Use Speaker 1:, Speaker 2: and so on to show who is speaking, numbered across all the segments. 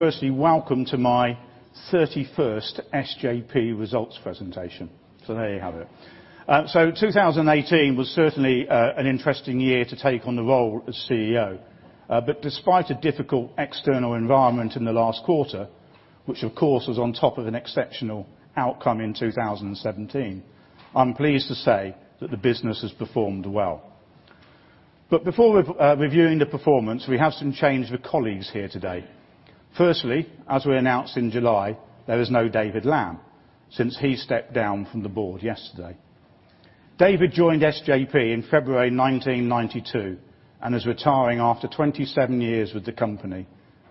Speaker 1: Firstly, welcome to my 31st SJP results presentation. There you have it. 2018 was certainly an interesting year to take on the role as CEO. Despite a difficult external environment in the last quarter, which of course was on top of an exceptional outcome in 2017, I'm pleased to say that the business has performed well. Before reviewing the performance, we have some change of colleagues here today. Firstly, as we announced in July, there is no David Lamb, since he stepped down from the board yesterday. David Lamb joined SJP in February 1992, and is retiring after 27 years with the company,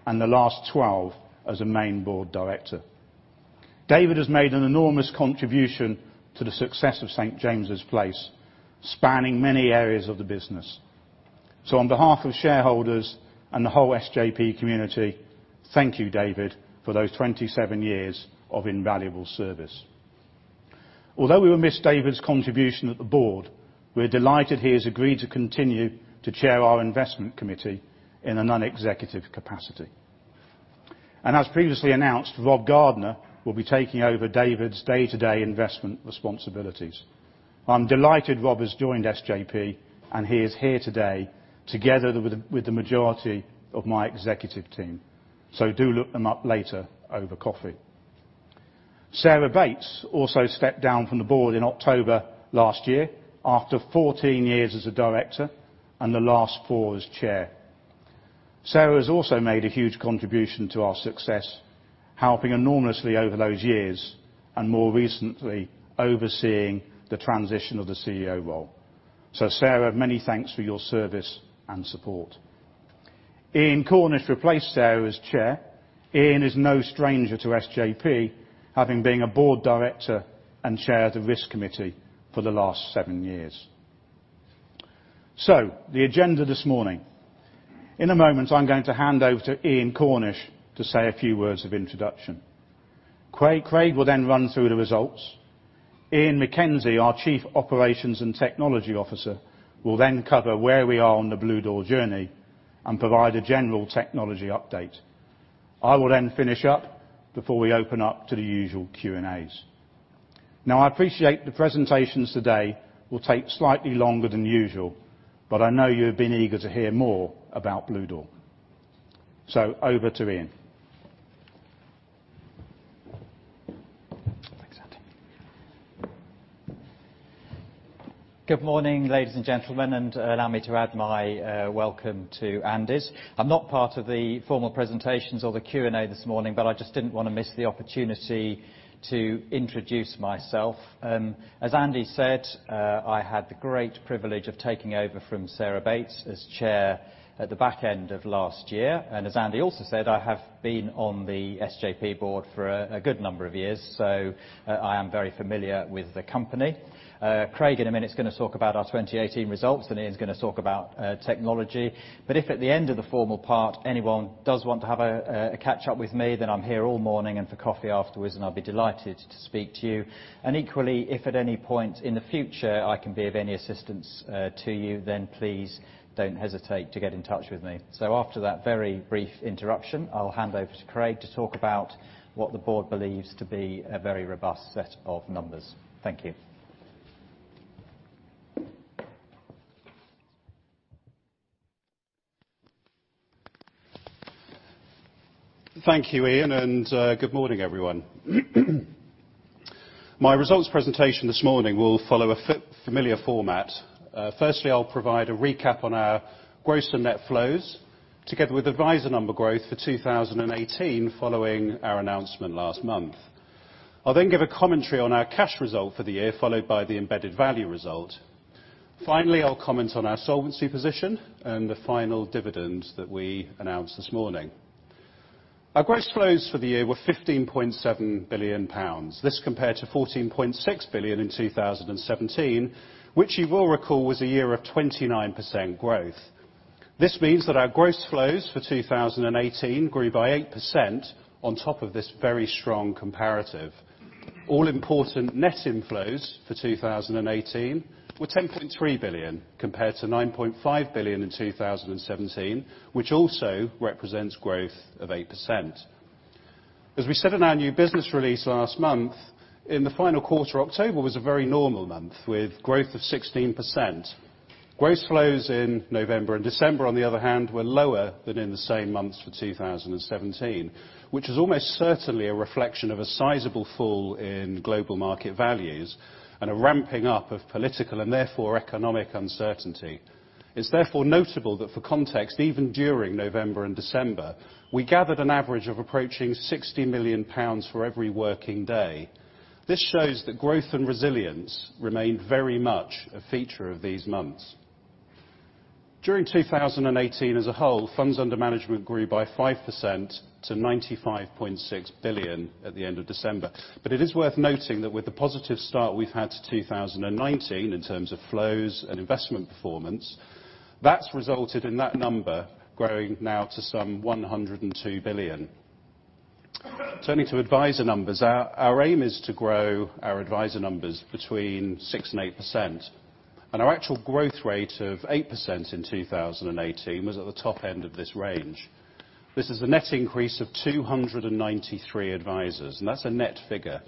Speaker 1: and the last 12 as a main board director. David Lamb has made an enormous contribution to the success of St. James's Place, spanning many areas of the business. On behalf of shareholders and the whole SJP community, thank you, David, for those 27 years of invaluable service. Although we will miss David's contribution at the board, we're delighted he has agreed to continue to chair our investment committee in a non-executive capacity. As previously announced, Rob Gardner will be taking over David's day-to-day investment responsibilities. I'm delighted Rob has joined SJP, and he is here today together with the majority of my executive team. Do look them up later over coffee. Sarah Bates also stepped down from the board in October last year after 14 years as a director, and the last four as chair. Sarah Bates has also made a huge contribution to our success, helping enormously over those years, and more recently, overseeing the transition of the CEO role. Sarah, many thanks for your service and support. Iain Cornish replaced Sarah Bates as chair. Iain is no stranger to SJP, having been a board director and Chair of the Risk Committee for the last seven years. The agenda this morning. In a moment, I'm going to hand over to Iain Cornish to say a few words of introduction. Craig will then run through the results. Ian MacKenzie, our Chief Operations and Technology Officer, will then cover where we are on the Bluedoor journey and provide a general technology update. I will then finish up before we open up to the usual Q&As. I appreciate the presentations today will take slightly longer than usual, but I know you've been eager to hear more about Bluedoor. Over to Iain.
Speaker 2: Thanks, Andy. Good morning, ladies and gentlemen, allow me to add my welcome to Andy's. I'm not part of the formal presentations or the Q&A this morning, but I just didn't want to miss the opportunity to introduce myself. As Andy said, I had the great privilege of taking over from Sarah Bates as chair at the back end of last year. As Andy also said, I have been on the SJP board for a good number of years, so I am very familiar with the company. Craig in a minute is going to talk about our 2018 results, and Ian's going to talk about technology. If at the end of the formal part anyone does want to have a catch up with me, then I'm here all morning and for coffee afterwards, and I'd be delighted to speak to you. Equally, if at any point in the future I can be of any assistance to you, please don't hesitate to get in touch with me. After that very brief interruption, I'll hand over to Craig to talk about what the board believes to be a very robust set of numbers. Thank you.
Speaker 1: Thank you, Iain. Good morning, everyone. My results presentation this morning will follow a familiar format. Firstly, I'll provide a recap on our gross and net flows, together with adviser number growth for 2018 following our announcement last month. I'll give a commentary on our cash result for the year, followed by the embedded value result. Finally, I'll comment on our solvency position and the final dividends that we announced this morning. Our gross flows for the year were 15.7 billion pounds. This compared to 14.6 billion in 2017, which you will recall was a year of 29% growth. This means that our gross flows for 2018 grew by 8% on top of this very strong comparative. All important net inflows for 2018 were 10.3 billion compared to 9.5 billion in 2017, which also represents growth of 8%. As we said in our new business release last month, in the final quarter, October was a very normal month, with growth of 16%. Gross flows in November and December, on the other hand, were lower than in the same months for 2017, which is almost certainly a reflection of a sizable fall in global market values and a ramping up of political and therefore economic uncertainty. It's therefore notable that for context, even during November and December, we gathered an average of approaching 60 million pounds for every working day. This shows that growth and resilience remained very much a feature of these months. During 2018 as a whole, funds under management grew by 5% to 95.6 billion at the end of December. It is worth noting that with the positive start we've had to 2019 in terms of flows and investment performance, that's resulted in that number growing now to some 102 billion.
Speaker 3: Turning to adviser numbers, our aim is to grow our adviser numbers between 6% and 8%, and our actual growth rate of 8% in 2018 was at the top end of this range. This is a net increase of 293 advisers, and that's a net figure.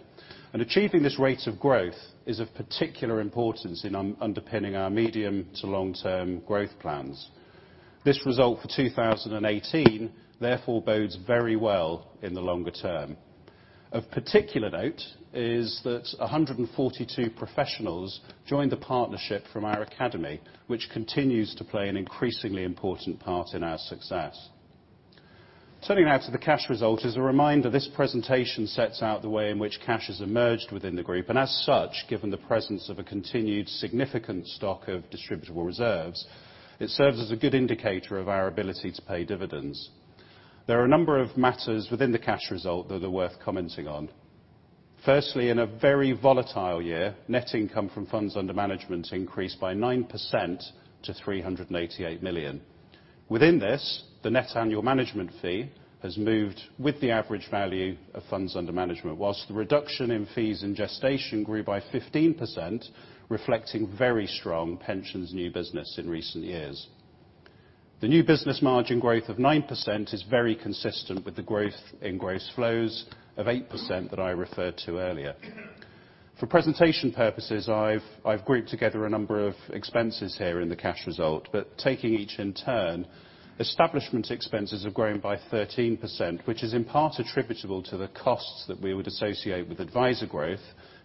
Speaker 3: Achieving this rate of growth is of particular importance in underpinning our medium-to-long-term growth plans. This result for 2018 therefore bodes very well in the longer term. Of particular note is that 142 professionals joined the Partnership from our Academy, which continues to play an increasingly important part in our success. Turning now to the cash result. As a reminder, this presentation sets out the way in which cash has emerged within the group. As such, given the presence of a continued significant stock of distributable reserves, it serves as a good indicator of our ability to pay dividends. There are a number of matters within the cash result that are worth commenting on. Firstly, in a very volatile year, net income from funds under management increased by 9% to 388 million. Within this, the net annual management fee has moved with the average value of funds under management, whilst the reduction in fees in gestation grew by 15%, reflecting very strong pensions new business in recent years. The new business margin growth of 9% is very consistent with the growth in gross flows of 8% that I referred to earlier. For presentation purposes, I've grouped together a number of expenses here in the cash result. Taking each in turn, establishment expenses have grown by 13%, which is in part attributable to the costs that we would associate with adviser growth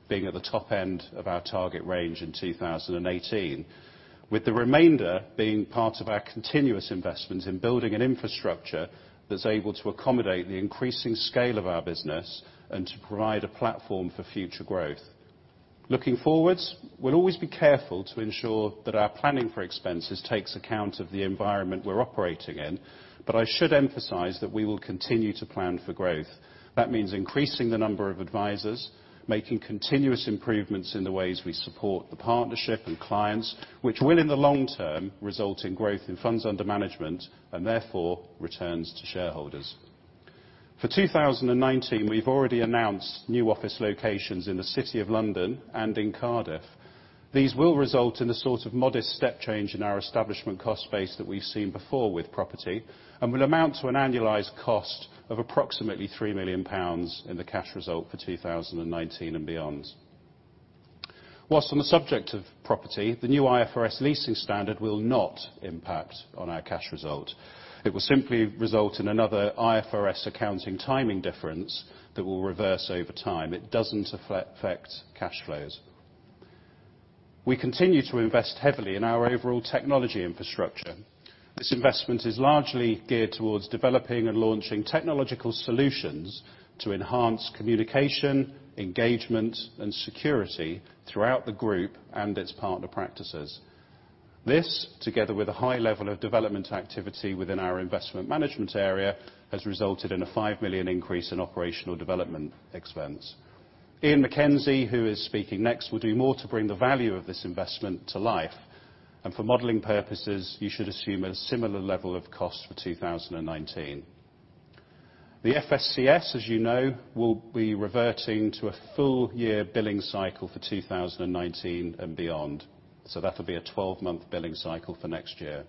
Speaker 3: being at the top end of our target range in 2018, with the remainder being part of our continuous investment in building an infrastructure that's able to accommodate the increasing scale of our business and to provide a platform for future growth. Looking forwards, we'll always be careful to ensure that our planning for expenses takes account of the environment we're operating in, but I should emphasize that we will continue to plan for growth. That means increasing the number of advisers, making continuous improvements in the ways we support the partnership and clients, which will, in the long term, result in growth in funds under management and therefore returns to shareholders. For 2019, we've already announced new office locations in the City of London and in Cardiff. These will result in a sort of modest step change in our establishment cost base that we've seen before with property and will amount to an annualized cost of approximately 3 million pounds in the cash result for 2019 and beyond. Whilst on the subject of property, the new IFRS leasing standard will not impact on our cash result. It will simply result in another IFRS accounting timing difference that will reverse over time. It doesn't affect cash flows. We continue to invest heavily in our overall technology infrastructure. This investment is largely geared towards developing and launching technological solutions to enhance communication, engagement, and security throughout the group and its partner practices. This, together with a high level of development activity within our investment management area, has resulted in a 5 million increase in operational development expense. Ian MacKenzie, who is speaking next, will do more to bring the value of this investment to life. For modeling purposes, you should assume a similar level of cost for 2019. The FSCS, as you know, will be reverting to a full year billing cycle for 2019 and beyond. That'll be a 12-month billing cycle for next year.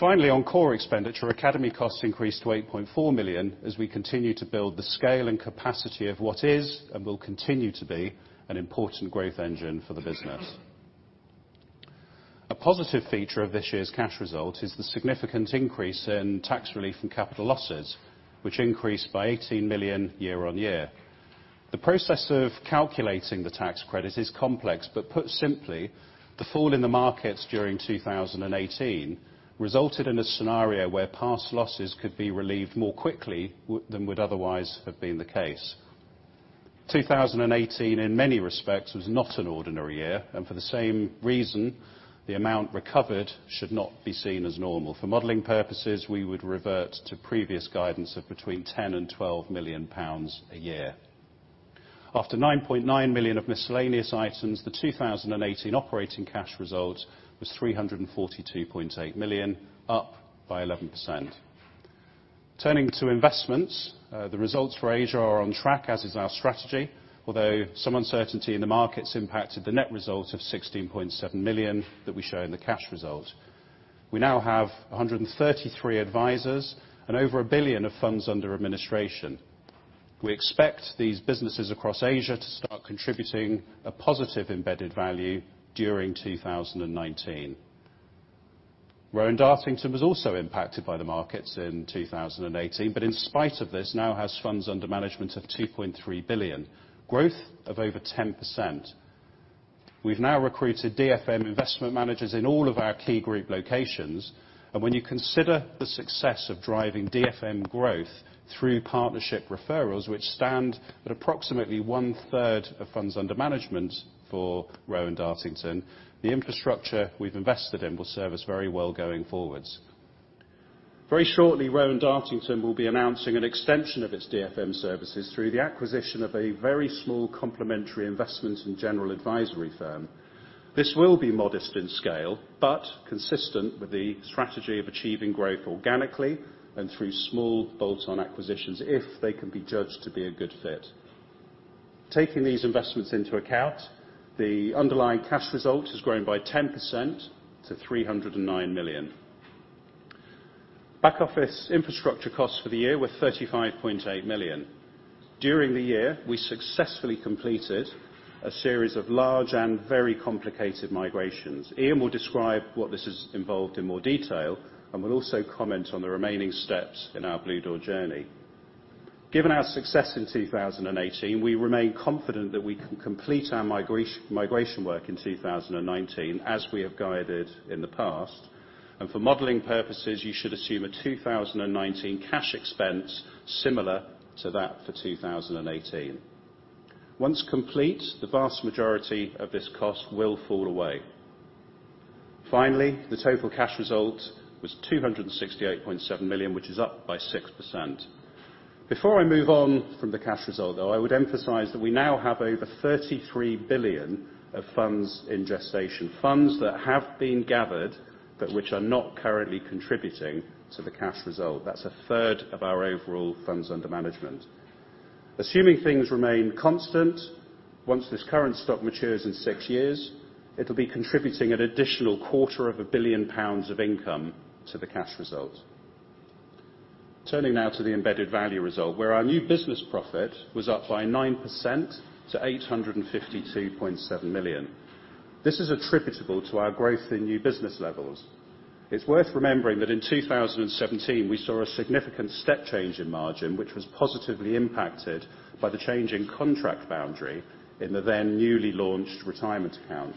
Speaker 3: Finally, on core expenditure, academy costs increased to 8.4 million as we continue to build the scale and capacity of what is, and will continue to be, an important growth engine for the business. A positive feature of this year's cash result is the significant increase in tax relief and capital losses, which increased by 18 million year-on-year. The process of calculating the tax credit is complex. Put simply, the fall in the markets during 2018 resulted in a scenario where past losses could be relieved more quickly than would otherwise have been the case. 2018, in many respects, was not an ordinary year. For the same reason, the amount recovered should not be seen as normal. For modeling purposes, we would revert to previous guidance of between 10 million and 12 million pounds a year. After 9.9 million of miscellaneous items, the 2018 operating cash result was 342.8 million, up by 11%. Turning to investments, the results for Asia are on track, as is our strategy, although some uncertainty in the markets impacted the net result of 16.7 million that we show in the cash result. We now have 133 advisers and over 1 billion of funds under administration. We expect these businesses across Asia to start contributing a positive embedded value during 2019. Rowan Dartington was also impacted by the markets in 2018. In spite of this, now has funds under management of 2.3 billion, growth of over 10%. We've now recruited DFM investment managers in all of our key group locations. When you consider the success of driving DFM growth through partnership referrals, which stand at approximately one-third of funds under management for Rowan Dartington, the infrastructure we've invested in will serve us very well going forwards. Very shortly, Rowan Dartington will be announcing an extension of its DFM services through the acquisition of a very small complementary investment and general advisory firm. This will be modest in scale, consistent with the strategy of achieving growth organically and through small bolt-on acquisitions if they can be judged to be a good fit. Taking these investments into account, the underlying cash result has grown by 10% to 309 million. Back-office infrastructure costs for the year were 35.8 million. During the year, we successfully completed a series of large and very complicated migrations. Ian MacKenzie will describe what this has involved in more detail, and will also comment on the remaining steps in our Bluedoor journey. Given our success in 2018, we remain confident that we can complete our migration work in 2019 as we have guided in the past. For modeling purposes, you should assume a 2019 cash expense similar to that for 2018. Once complete, the vast majority of this cost will fall away. The total cash result was 268.7 million, which is up by 6%. Before I move on from the cash result, though, I would emphasize that we now have over 33 billion of funds in gestation. Funds that have been gathered, but which are not currently contributing to the cash result. That's a third of our overall funds under management. Assuming things remain constant, once this current stock matures in six years, it'll be contributing an additional quarter of a billion pounds of income to the cash result. Turning now to the embedded value result, where our new business profit was up by 9% to 852.7 million. This is attributable to our growth in new business levels. It's worth remembering that in 2017, we saw a significant step change in margin, which was positively impacted by the change in contract boundary in the then newly launched Retirement Account.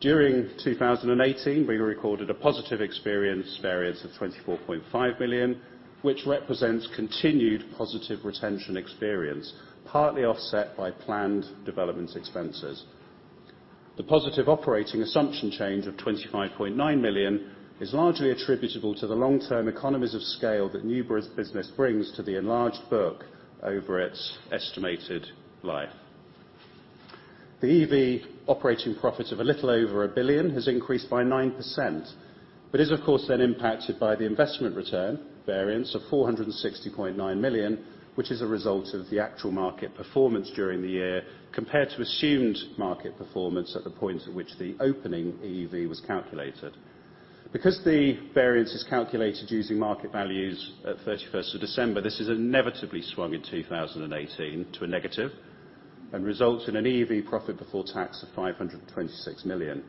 Speaker 3: During 2018, we recorded a positive experience variance of 24.5 million, which represents continued positive retention experience, partly offset by planned development expenses. The positive operating assumption change of 25.9 million is largely attributable to the long-term economies of scale that new business brings to the enlarged book over its estimated life. The EV operating profit of a little over 1 billion has increased by 9%, but is of course then impacted by the investment return variance of 460.9 million, which is a result of the actual market performance during the year compared to assumed market performance at the point at which the opening EEV was calculated. Because the variance is calculated using market values at 31st of December, this has inevitably swung in 2018 to a negative, and results in an EEV profit before tax of 526 million.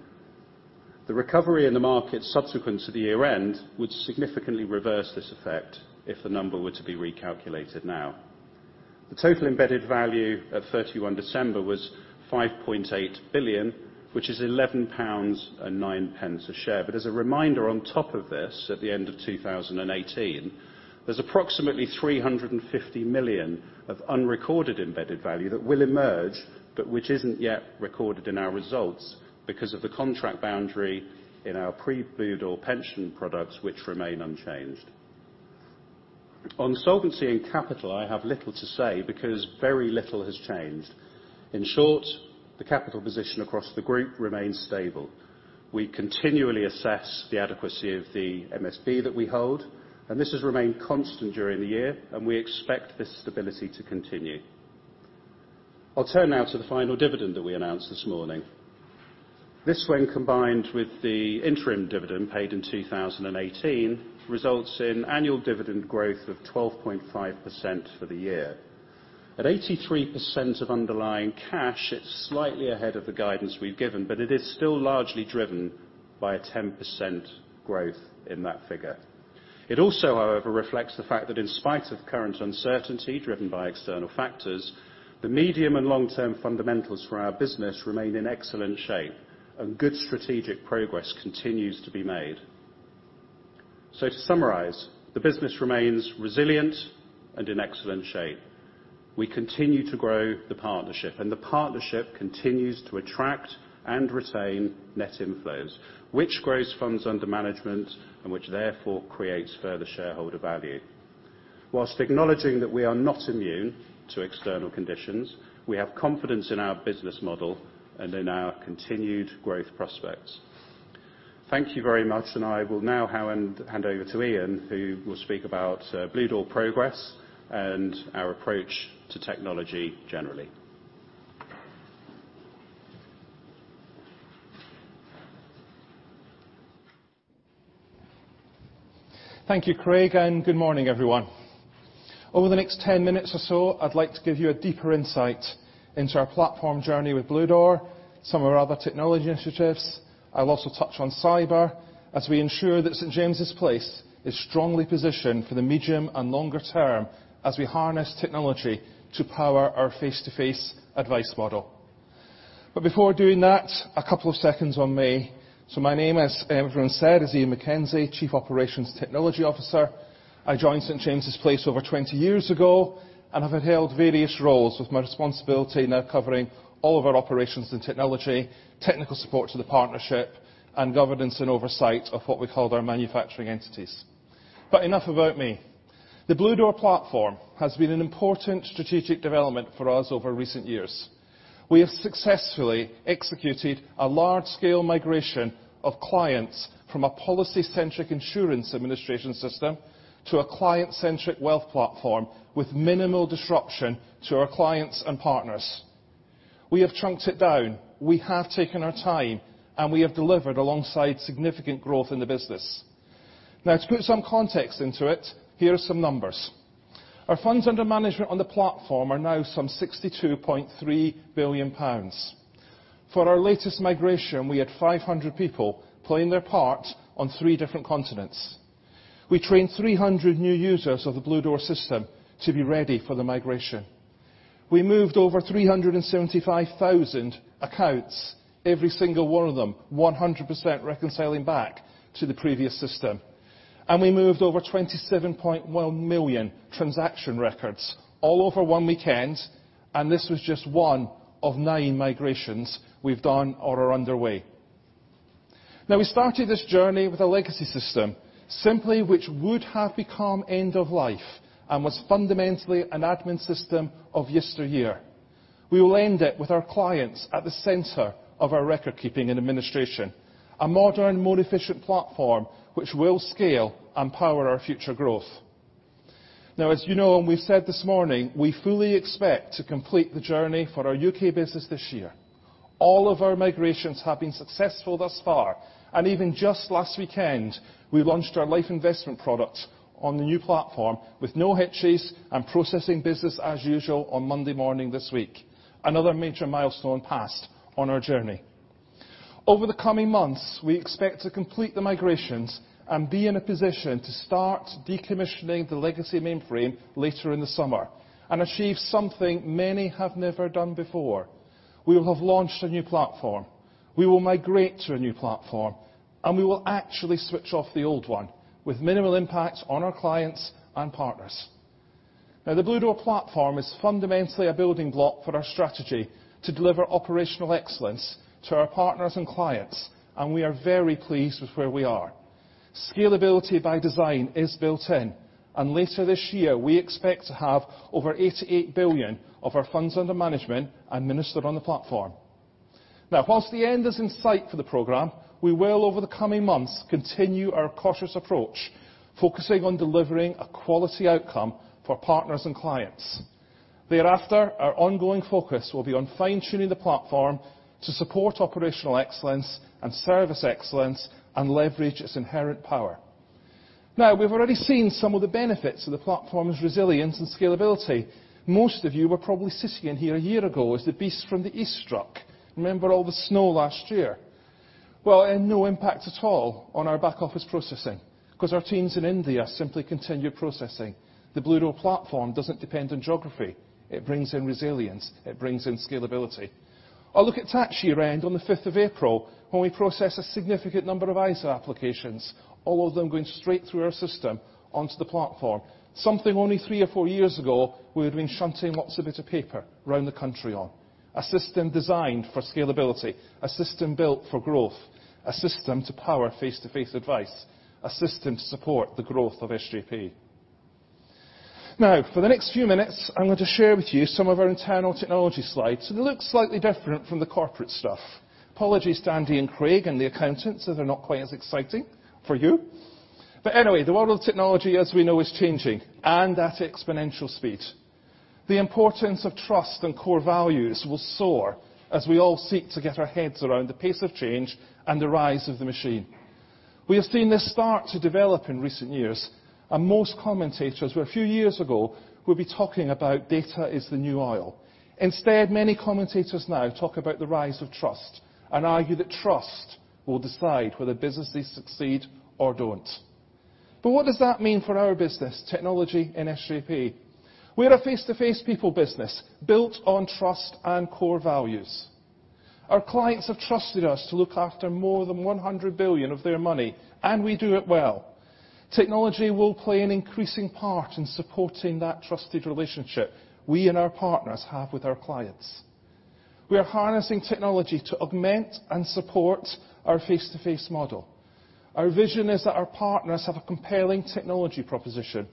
Speaker 3: The recovery in the market subsequent to the year-end would significantly reverse this effect if the number were to be recalculated now. The total embedded value at 31 December was 5.8 billion, which is 11.09 pounds a share. As a reminder on top of this, at the end of 2018, there's approximately 350 million of unrecorded embedded value that will emerge, but which isn't yet recorded in our results because of the contract boundary in our pre-Bluedoor pension products which remain unchanged. On solvency and capital, I have little to say because very little has changed. In short, the capital position across the group remains stable. We continually assess the adequacy of the MSB that we hold, and this has remained constant during the year, and we expect this stability to continue. I'll turn now to the final dividend that we announced this morning. This, when combined with the interim dividend paid in 2018, results in annual dividend growth of 12.5% for the year. At 83% of underlying cash, it's slightly ahead of the guidance we've given, but it is still largely driven by a 10% growth in that figure. It also, however, reflects the fact that in spite of current uncertainty driven by external factors, the medium and long-term fundamentals for our business remain in excellent shape, and good strategic progress continues to be made. To summarize, the business remains resilient and in excellent shape. We continue to grow the partnership, and the partnership continues to attract and retain net inflows, which grows funds under management and which therefore creates further shareholder value. Whilst acknowledging that we are not immune to external conditions, we have confidence in our business model and in our continued growth prospects. Thank you very much. I will now hand over to Ian, who will speak about Bluedoor progress and our approach to technology generally.
Speaker 4: Thank you, Craig, good morning everyone. Over the next 10 minutes or so, I'd like to give you a deeper insight into our platform journey with Bluedoor, some of our other technology initiatives. I'll also touch on cyber as we ensure that St. James's Place is strongly positioned for the medium and longer term as we harness technology to power our face-to-face advice model. Before doing that, a couple of seconds on me. My name, as everyone said, is Ian MacKenzie, Chief Operations Technology Officer. I joined St. James's Place over 20 years ago, have held various roles with my responsibility now covering all of our operations and technology, technical support to the partnership, governance and oversight of what we call our manufacturing entities. Enough about me. The Bluedoor platform has been an important strategic development for us over recent years. We have successfully executed a large-scale migration of clients from a policy-centric insurance administration system to a client-centric wealth platform with minimal disruption to our clients and partners. We have chunked it down, we have taken our time, delivered alongside significant growth in the business. To put some context into it, here are some numbers. Our funds under management on the platform are now some 62.3 billion pounds. For our latest migration, we had 500 people playing their part on three different continents. We trained 300 new users of the Bluedoor system to be ready for the migration. We moved over 375,000 accounts, every single one of them 100% reconciling back to the previous system. We moved over 27.1 million transaction records all over one weekend, this was just one of nine migrations we've done or are underway. We started this journey with a legacy system simply which would have become end of life and was fundamentally an admin system of yesteryear. We will end it with our clients at the center of our record keeping and administration. A modern, more efficient platform which will scale and power our future growth. As you know, we've said this morning, we fully expect to complete the journey for our U.K. business this year. All of our migrations have been successful thus far, even just last weekend, we launched our life investment product on the new platform with no hitches and processing business as usual on Monday morning this week. Another major milestone passed on our journey. Over the coming months, we expect to complete the migrations and be in a position to start decommissioning the legacy mainframe later in the summer and achieve something many have never done before. We will have launched a new platform, we will migrate to a new platform, and we will actually switch off the old one with minimal impact on our clients and partners. The Bluedoor platform is fundamentally a building block for our strategy to deliver operational excellence to our partners and clients, and we are very pleased with where we are. Scalability by design is built in, and later this year, we expect to have over 88 billion of our funds under management administered on the platform. Whilst the end is in sight for the program, we will over the coming months continue our cautious approach, focusing on delivering a quality outcome for partners and clients. Thereafter, our ongoing focus will be on fine-tuning the platform to support operational excellence and service excellence and leverage its inherent power. We've already seen some of the benefits of the platform's resilience and scalability. Most of you were probably sitting in here a year ago as the Beast from the East struck. Remember all the snow last year? Well, it had no impact at all on our back office processing because our teams in India simply continued processing. The Bluedoor platform doesn't depend on geography. It brings in resilience. It brings in scalability. Look at tax year end on the 5th of April, when we processed a significant number of ISA applications, all of them going straight through our system onto the platform. Something only three or four years ago, we would've been shunting lots of bit of paper around the country on. A system designed for scalability, a system built for growth, a system to power face-to-face advice, a system to support the growth of SJP. For the next few minutes, I'm going to share with you some of our internal technology slides. They look slightly different from the corporate stuff. Apologies to Andy and Craig and the accountants that they're not quite as exciting for you. Anyway, the world of technology, as we know, is changing and at exponential speed. The importance of trust and core values will soar as we all seek to get our heads around the pace of change and the rise of the machine. We have seen this start to develop in recent years and most commentators, where a few years ago would be talking about data is the new oil. Instead, many commentators now talk about the rise of trust and argue that trust will decide whether businesses succeed or don't. What does that mean for our business, technology in SJP? We're a face-to-face people business built on trust and core values. Our clients have trusted us to look after more than 100 billion of their money, and we do it well. Technology will play an increasing part in supporting that trusted relationship we and our partners have with our clients. We are harnessing technology to augment and support our face-to-face model. Our vision is that our partners have a compelling technology proposition.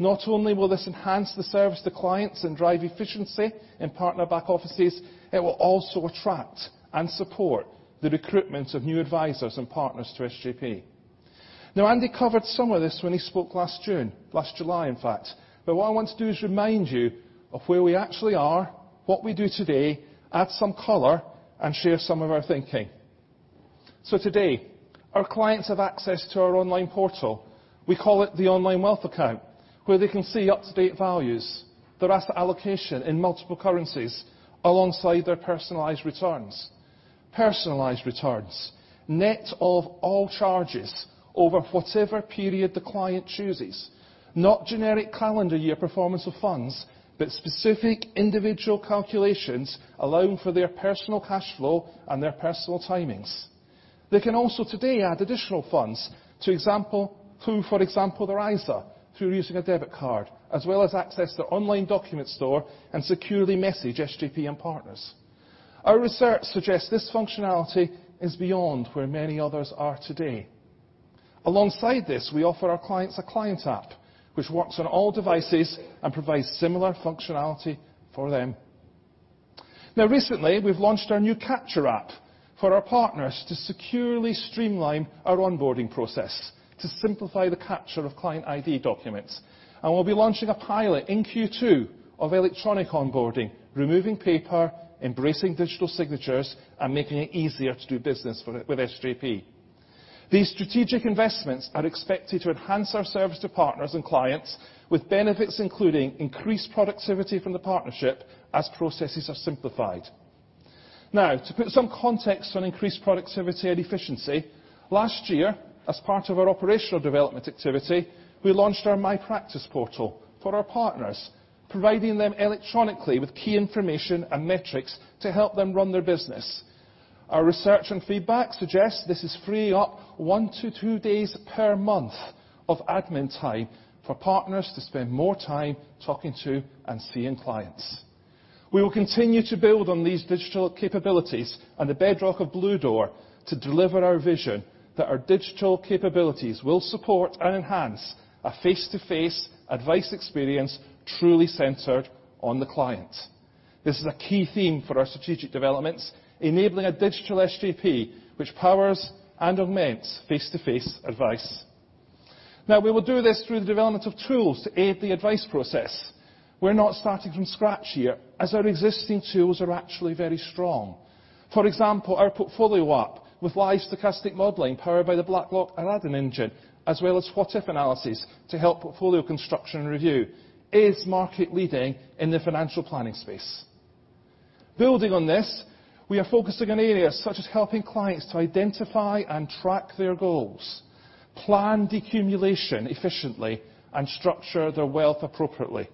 Speaker 4: Not only will this enhance the service to clients and drive efficiency in partner back offices, it will also attract and support the recruitment of new advisors and partners to SJP. Andy covered some of this when he spoke last June, last July in fact. What I want to do is remind you of where we actually are, what we do today, add some color, and share some of our thinking. Today, our clients have access to our online portal. We call it the Online Wealth Account, where they can see up-to-date values, their asset allocation in multiple currencies alongside their personalized returns. Personalized returns, net of all charges over whatever period the client chooses. Not generic calendar year performance of funds, but specific individual calculations allowing for their personal cash flow and their personal timings. They can also today add additional funds through, for example, their ISA through using a debit card, as well as access their online document store and securely message SJP and partners. Our research suggests this functionality is beyond where many others are today. Alongside this, we offer our clients a client app which works on all devices and provides similar functionality for them. Recently, we've launched our new capture app for our partners to securely streamline our onboarding process to simplify the capture of client ID documents. We'll be launching a pilot in Q2 of electronic onboarding, removing paper, embracing digital signatures, and making it easier to do business with SJP. These strategic investments are expected to enhance our service to partners and clients with benefits including increased productivity from the partnership as processes are simplified. To put some context on increased productivity and efficiency, last year, as part of our operational development activity, we launched our My Practice portal for our partners, providing them electronically with key information and metrics to help them run their business. Our research and feedback suggests this is freeing up one to two days per month of admin time for partners to spend more time talking to and seeing clients. We will continue to build on these digital capabilities on the bedrock of Bluedoor to deliver our vision that our digital capabilities will support and enhance a face-to-face advice experience truly centered on the client. This is a key theme for our strategic developments, enabling a digital SJP which powers and augments face-to-face advice. We will do this through the development of tools to aid the advice process. We're not starting from scratch here, as our existing tools are actually very strong. For example, our portfolio app with live stochastic modeling powered by the BlackRock Aladdin engine, as well as what-if analysis to help portfolio construction and review, is market leading in the financial planning space. Building on this, we are focusing on areas such as helping clients to identify and track their goals, plan decumulation efficiently, and structure their wealth appropriately.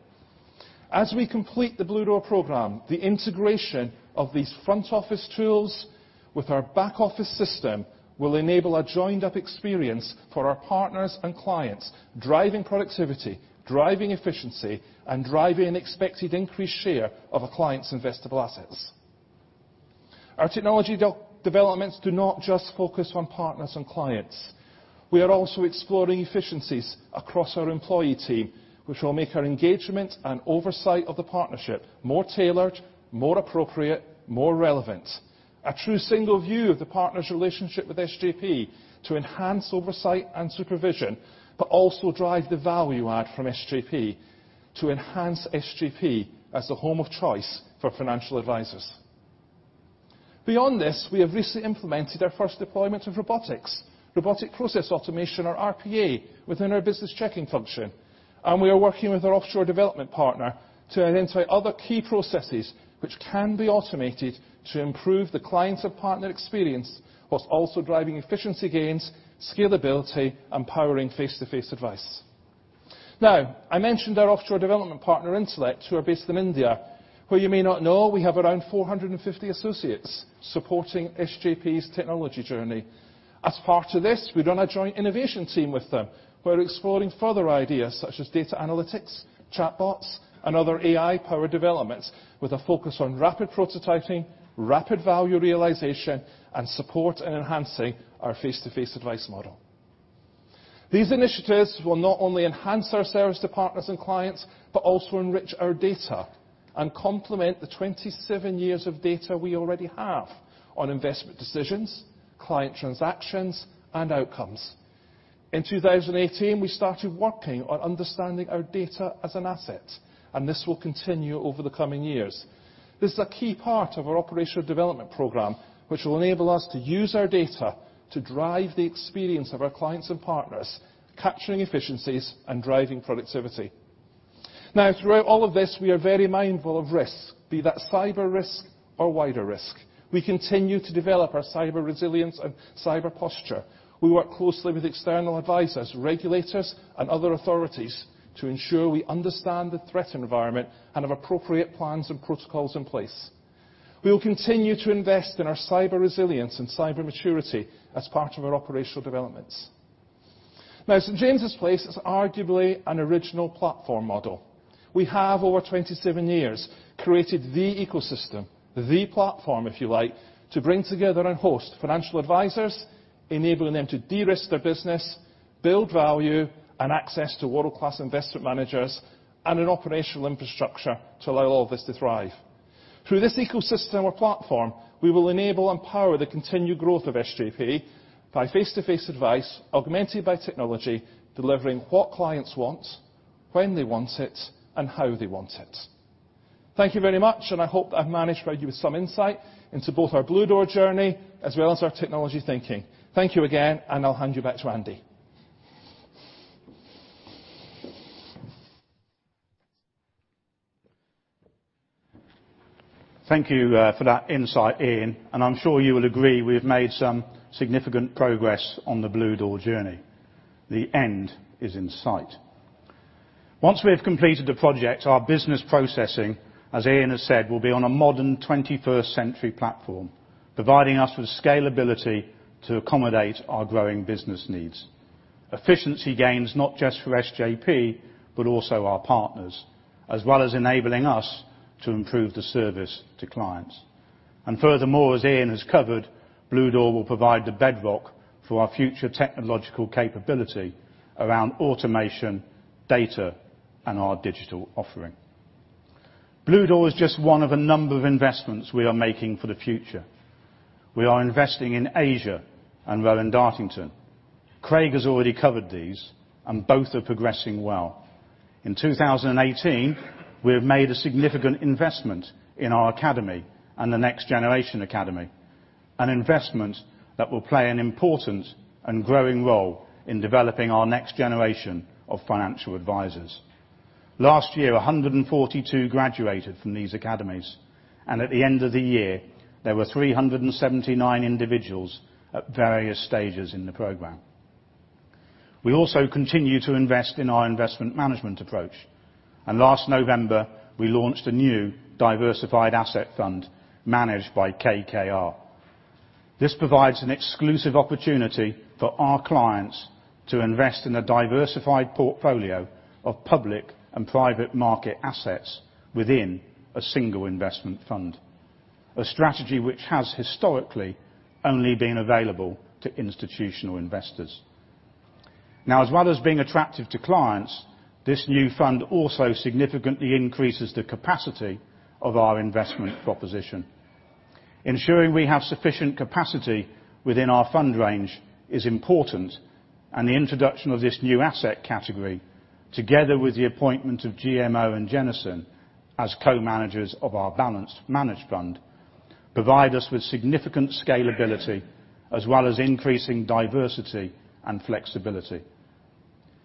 Speaker 4: As we complete the Bluedoor program, the integration of these front-office tools with our back-office system will enable a joined-up experience for our partners and clients, driving productivity, driving efficiency, and driving expected increased share of a client's investable assets. Our technology developments do not just focus on partners and clients. We are also exploring efficiencies across our employee team, which will make our engagement and oversight of the partnership more tailored, more appropriate, more relevant. A true single view of the partner's relationship with SJP to enhance oversight and supervision, but also drive the value add from SJP to enhance SJP as the home of choice for financial advisors. Beyond this, we have recently implemented our first deployment of robotics, robotic process automation or RPA, within our business checking function. We are working with our offshore development partner to identify other key processes which can be automated to improve the client's and partner experience whilst also driving efficiency gains, scalability, and powering face-to-face advice. I mentioned our offshore development partner, Intellect, who are based in India, who you may not know we have around 450 associates supporting SJP's technology journey. As part of this, we run a joint innovation team with them. We are exploring further ideas such as data analytics, chatbots, and other AI-powered developments with a focus on rapid prototyping, rapid value realization, and support in enhancing our face-to-face advice model. These initiatives will not only enhance our service to partners and clients, but also enrich our data and complement the 27 years of data we already have on investment decisions, client transactions, and outcomes. In 2018, we started working on understanding our data as an asset, and this will continue over the coming years. This is a key part of our operational development program, which will enable us to use our data to drive the experience of our clients and partners, capturing efficiencies and driving productivity. Throughout all of this, we are very mindful of risk, be that cyber risk or wider risk. We continue to develop our cyber resilience and cyber posture. We work closely with external advisors, regulators, and other authorities to ensure we understand the threat environment and have appropriate plans and protocols in place. We will continue to invest in our cyber resilience and cyber maturity as part of our operational developments. St. James's Place is arguably an original platform model. We have, over 27 years, created the ecosystem, the platform, if you like, to bring together and host financial advisors, enabling them to de-risk their business, build value, and access to world-class investment managers and an operational infrastructure to allow all this to thrive. Through this ecosystem or platform, we will enable and power the continued growth of SJP by face-to-face advice, augmented by technology, delivering what clients want, when they want it, and how they want it. Thank you very much, and I hope that I've managed to provide you with some insight into both our Bluedoor journey as well as our technology thinking. Thank you again, and I will hand you back to Andy.
Speaker 1: Thank you for that insight, Ian. I am sure you will agree we have made some significant progress on the Bluedoor journey. The end is in sight. Once we have completed the project, our business processing, as Ian has said, will be on a modern 21st century platform, providing us with scalability to accommodate our growing business needs. Efficiency gains not just for SJP, but also our partners, as well as enabling us to improve the service to clients. Furthermore, as Ian has covered, Bluedoor will provide the bedrock for our future technological capability around automation, data, and our digital offering. Bluedoor is just one of a number of investments we are making for the future. We are investing in Asia and Rowan Dartington. Craig has already covered these, and both are progressing well. In 2018, we have made a significant investment in our academy and the Next Generation Academy, an investment that will play an important and growing role in developing our next generation of financial advisors. Last year, 142 graduated from these academies, and at the end of the year, there were 379 individuals at various stages in the program. We also continue to invest in our investment management approach. Last November, we launched a new Diversified Assets fund managed by KKR. This provides an exclusive opportunity for our clients to invest in a diversified portfolio of public and private market assets within a single investment fund, a strategy which has historically only been available to institutional investors. As well as being attractive to clients, this new fund also significantly increases the capacity of our investment proposition. Ensuring we have sufficient capacity within our fund range is important, and the introduction of this new asset category, together with the appointment of GMO and Jennison as co-managers of our Balanced Managed fund, provide us with significant scalability, as well as increasing diversity and flexibility.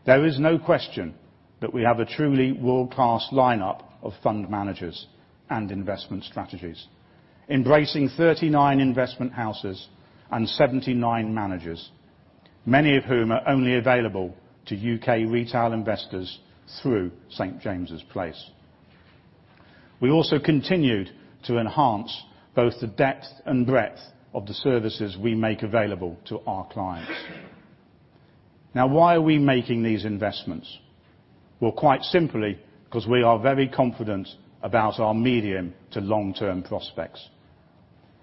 Speaker 1: There is no question that we have a truly world-class lineup of fund managers and investment strategies, embracing 39 investment houses and 79 managers, many of whom are only available to U.K. retail investors through St. James's Place. We also continued to enhance both the depth and breadth of the services we make available to our clients. Why are we making these investments? Well, quite simply, because we are very confident about our medium to long-term prospects.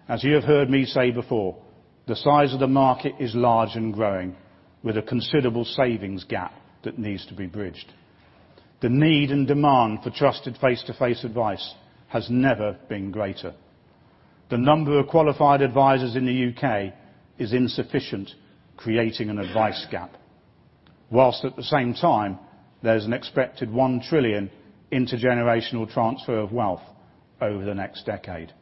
Speaker 1: As you have heard me say before, the size of the market is large and growing, with a considerable savings gap that needs to be bridged. The need and demand for trusted face-to-face advice has never been greater. The number of qualified advisors in the U.K. is insufficient, creating an advice gap. Whilst at the same time, there's an expected 1 trillion intergenerational transfer of wealth over the next decade.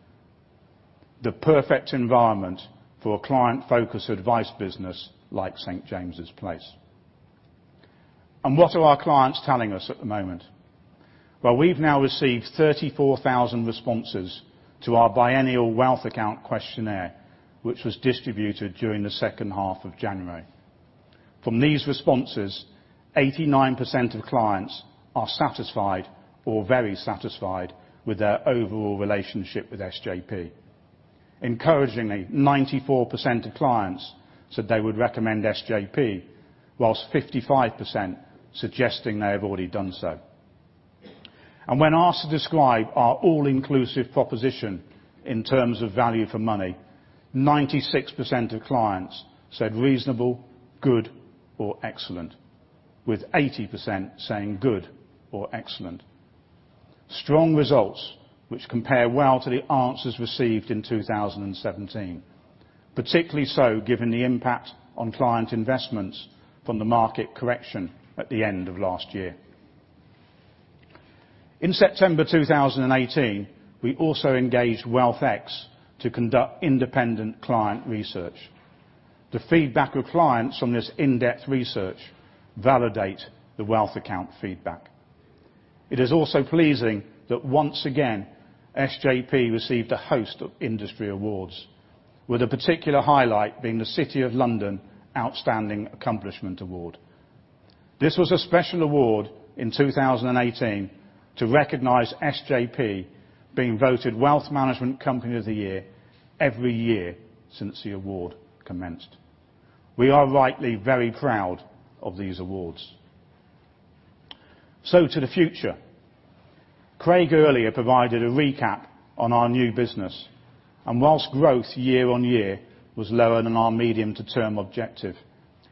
Speaker 1: The perfect environment for a client-focused advice business like St. James's Place. What are our clients telling us at the moment? Well, we've now received 34,000 responses to our biennial wealth account questionnaire, which was distributed during the second half of January. From these responses, 89% of clients are satisfied or very satisfied with their overall relationship with SJP. Encouragingly, 94% of clients said they would recommend SJP, whilst 55% suggesting they have already done so. When asked to describe our all-inclusive proposition in terms of value for money, 96% of clients said reasonable, good, or excellent, with 80% saying good or excellent. Strong results which compare well to the answers received in 2017. Particularly so given the impact on client investments from the market correction at the end of last year. In September 2018, we also engaged Wealth-X to conduct independent client research. The feedback of clients from this in-depth research validate the wealth account feedback. It is also pleasing that once again, SJP received a host of industry awards, with a particular highlight being the City of London Outstanding Accomplishment Award. This was a special award in 2018 to recognize SJP being voted Wealth Management Company of the Year every year since the award commenced. We are rightly very proud of these awards. To the future. Craig earlier provided a recap on our new business, and whilst growth year-over-year was lower than our medium to term objective,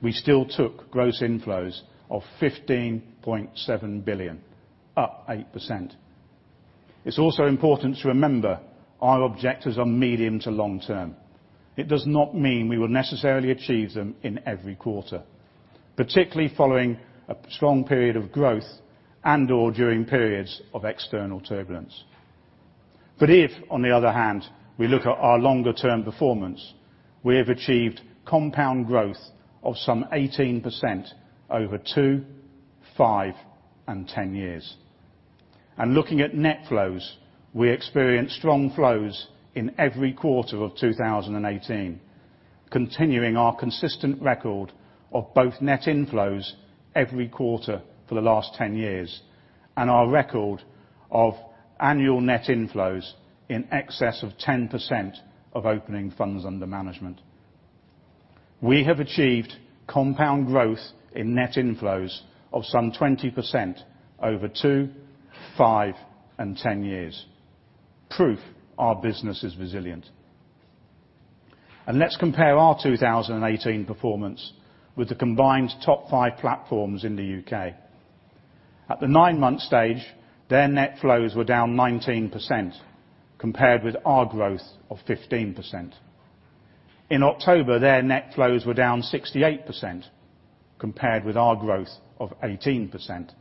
Speaker 1: we still took gross inflows of 15.7 billion, up 8%. It's also important to remember our objectives are medium to long-term. It does not mean we will necessarily achieve them in every quarter, particularly following a strong period of growth and/or during periods of external turbulence. If, on the other hand, we look at our longer-term performance, we have achieved compound growth of some 18% over two, five, and 10 years. Looking at net flows, we experienced strong flows in every quarter of 2018, continuing our consistent record of both net inflows every quarter for the last 10 years and our record of annual net inflows in excess of 10% of opening funds under management. We have achieved compound growth in net inflows of some 20% over two, five and 10 years. Proof our business is resilient. Let's compare our 2018 performance with the combined top five platforms in the U.K. At the 9-month stage, their net flows were down 19%, compared with our growth of 15%. In October, their net flows were down 68%, compared with our growth of 18%.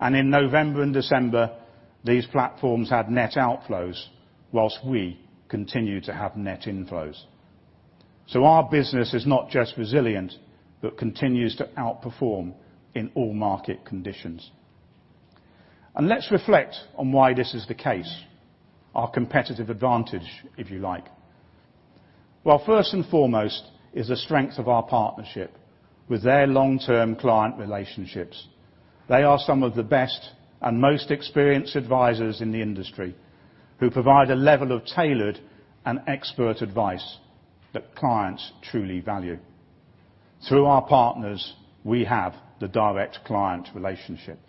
Speaker 1: In November and December, these platforms had net outflows, whilst we continued to have net inflows. Our business is not just resilient, but continues to outperform in all market conditions. Let's reflect on why this is the case, our competitive advantage, if you like. First and foremost is the strength of our partnership with their long-term client relationships. They are some of the best and most experienced advisers in the industry, who provide a level of tailored and expert advice that clients truly value. Through our partners, we have the direct client relationship.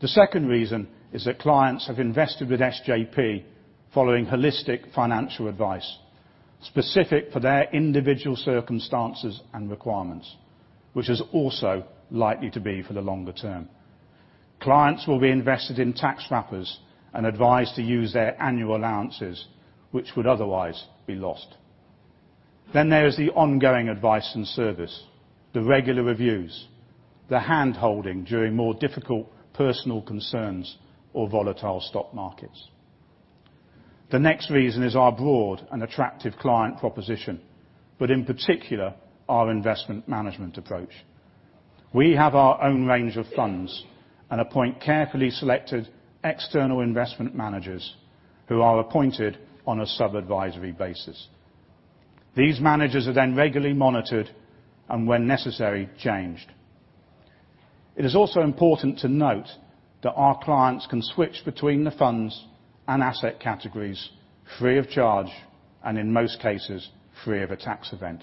Speaker 1: The second reason is that clients have invested with SJP following holistic financial advice, specific for their individual circumstances and requirements, which is also likely to be for the longer term. Clients will be invested in tax wrappers and advised to use their annual allowances, which would otherwise be lost. There is the ongoing advice and service, the regular reviews, the hand-holding during more difficult personal concerns or volatile stock markets. The next reason is our broad and attractive client proposition, but in particular, our investment management approach. We have our own range of funds and appoint carefully selected external investment managers who are appointed on a sub-advisory basis. These managers are then regularly monitored and, when necessary, changed. It is also important to note that our clients can switch between the funds and asset categories free of charge and, in most cases, free of a tax event.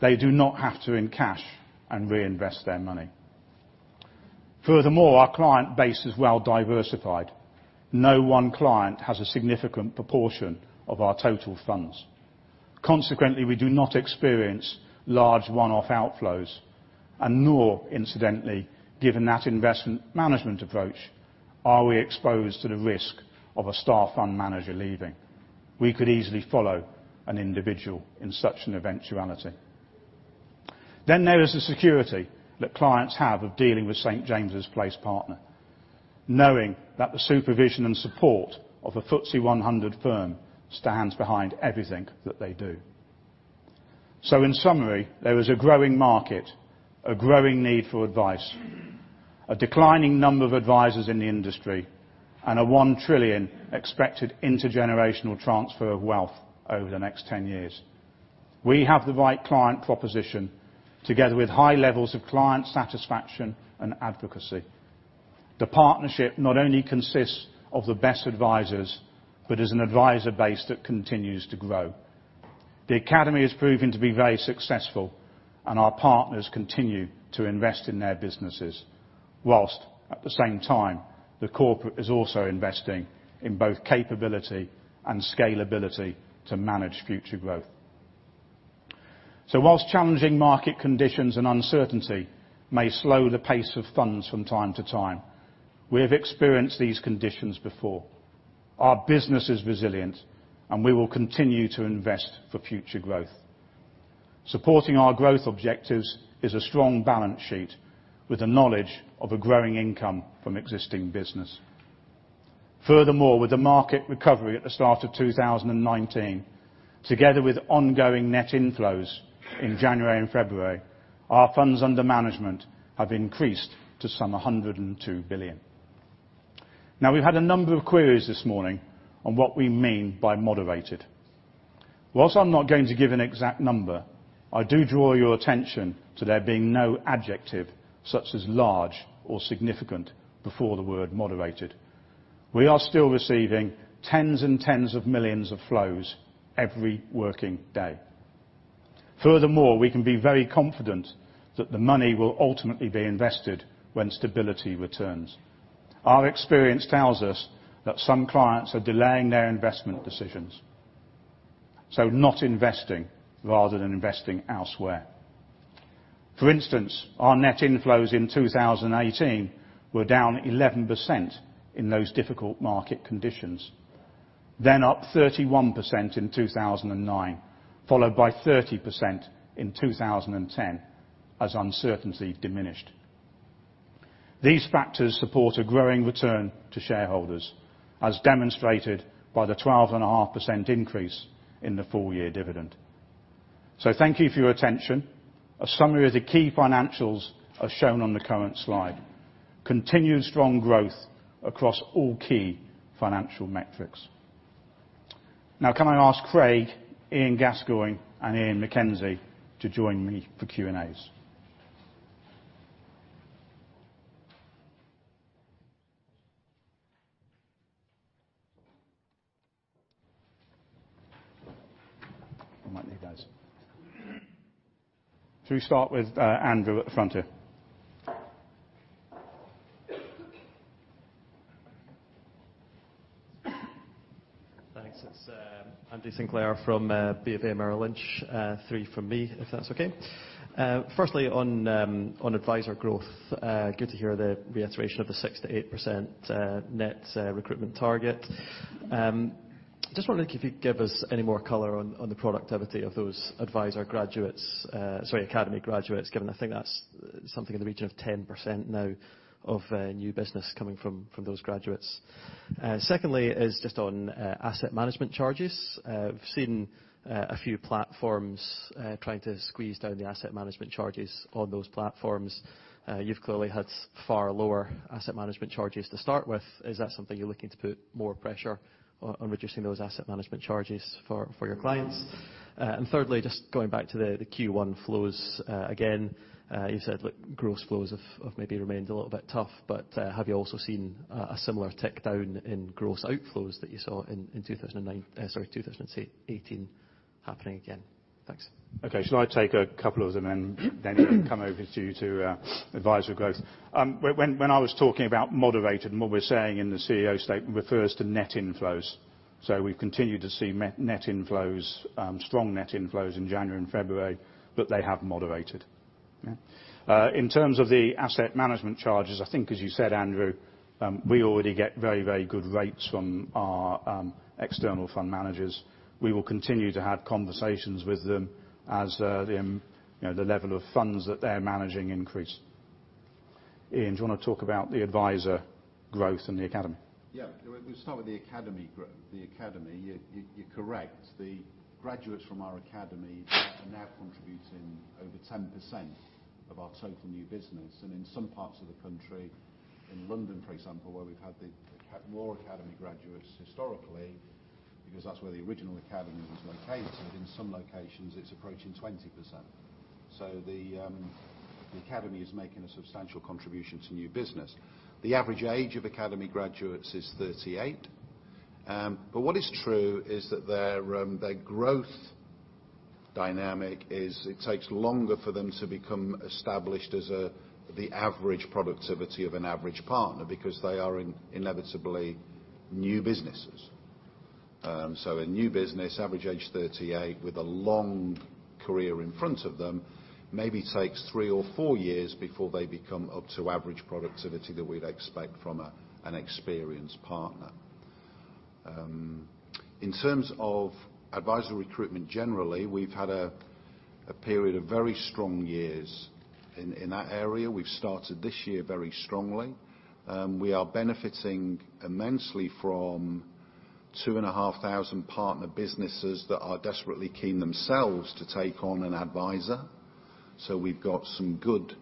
Speaker 1: They do not have to encash and reinvest their money. Furthermore, our client base is well-diversified. No one client has a significant proportion of our total funds. Consequently, we do not experience large one-off outflows, and nor incidentally, given that investment management approach, are we exposed to the risk of a star fund manager leaving. We could easily follow an individual in such an eventuality. There is the security that clients have of dealing with St. James's Place partner, knowing that the supervision and support of a FTSE 100 firm stands behind everything that they do. In summary, there is a growing market, a growing need for advice, a declining number of advisers in the industry, and a 1 trillion expected intergenerational transfer of wealth over the next 10 years. We have the right client proposition, together with high levels of client satisfaction and advocacy. The partnership not only consists of the best advisers but is an adviser base that continues to grow. The Academy has proven to be very successful, and our partners continue to invest in their businesses, while at the same time, the corporate is also investing in both capability and scalability to manage future growth. While challenging market conditions and uncertainty may slow the pace of funds from time to time, we have experienced these conditions before. Our business is resilient, and we will continue to invest for future growth. Supporting our growth objectives is a strong balance sheet, with the knowledge of a growing income from existing business. Furthermore, with the market recovery at the start of 2019, together with ongoing net inflows in January and February, our funds under management have increased to some 102 billion. We've had a number of queries this morning on what we mean by moderated. While I'm not going to give an exact number, I do draw your attention to there being no adjective such as large or significant before the word moderated. We are still receiving tens and tens of millions of flows every working day. Furthermore, we can be very confident that the money will ultimately be invested when stability returns. Our experience tells us that some clients are delaying their investment decisions, so not investing rather than investing elsewhere. For instance, our net inflows in 2018 were down 11% in those difficult market conditions, then up 31% in 2009, followed by 30% in 2010 as uncertainty diminished. These factors support a growing return to shareholders, as demonstrated by the 12.5% increase in the full-year dividend. Thank you for your attention. A summary of the key financials are shown on the current slide. Continued strong growth across all key financial metrics. Can I ask Craig, Ian Gascoigne, and Ian MacKenzie to join me for Q&As?
Speaker 5: We might need those. Should we start with Andrew at the front here?
Speaker 6: Thanks. It's Andrew Sinclair from BofA Merrill Lynch. Three from me, if that's okay. Firstly, on adviser growth, good to hear the reiteration of the 6%-8% net recruitment target. Just wondering if you'd give us any more color on the productivity of those Academy graduates, given I think that's something in the region of 10% now of new business coming from those graduates. Secondly, on asset management charges. We've seen a few platforms trying to squeeze down the asset management charges on those platforms. You've clearly had far lower asset management charges to start with. Is that something you're looking to put more pressure on reducing those asset management charges for your clients? Thirdly, just going back to the Q1 flows, again, you said gross flows have maybe remained a little bit tough, but have you also seen a similar tick down in gross outflows that you saw in 2018 happening again? Thanks.
Speaker 1: Okay. Should I take a couple of them and then come over to you to adviser growth? When I was talking about moderated and what we're saying in the CEO statement refers to net inflows. We've continued to see strong net inflows in January and February, but they have moderated. In terms of the asset management charges, I think as you said, Andrew, we already get very, very good rates from our external fund managers. We will continue to have conversations with them as the level of funds that they're managing increase. Ian, do you want to talk about the adviser growth and the Academy? We start with the Academy. You're correct.
Speaker 5: The graduates from our Academy are now contributing over 10% of our total new business, and in some parts of the country, in London, for example, where we've had more Academy graduates historically, because that's where the original Academy was located, in some locations, it's approaching 20%. The Academy is making a substantial contribution to new business. The average age of Academy graduates is 38. What is true is that their growth dynamic is it takes longer for them to become established as the average productivity of an average partner because they are inevitably new businesses. A new business, average age 38, with a long career in front of them, maybe takes three or four years before they become up to average productivity that we'd expect from an experienced partner. In terms of adviser recruitment, generally, we've had a period of very strong years in that area. We've started this year very strongly. We are benefiting immensely from 2,500 partner businesses that are desperately keen themselves to take on an advisor. We've got some good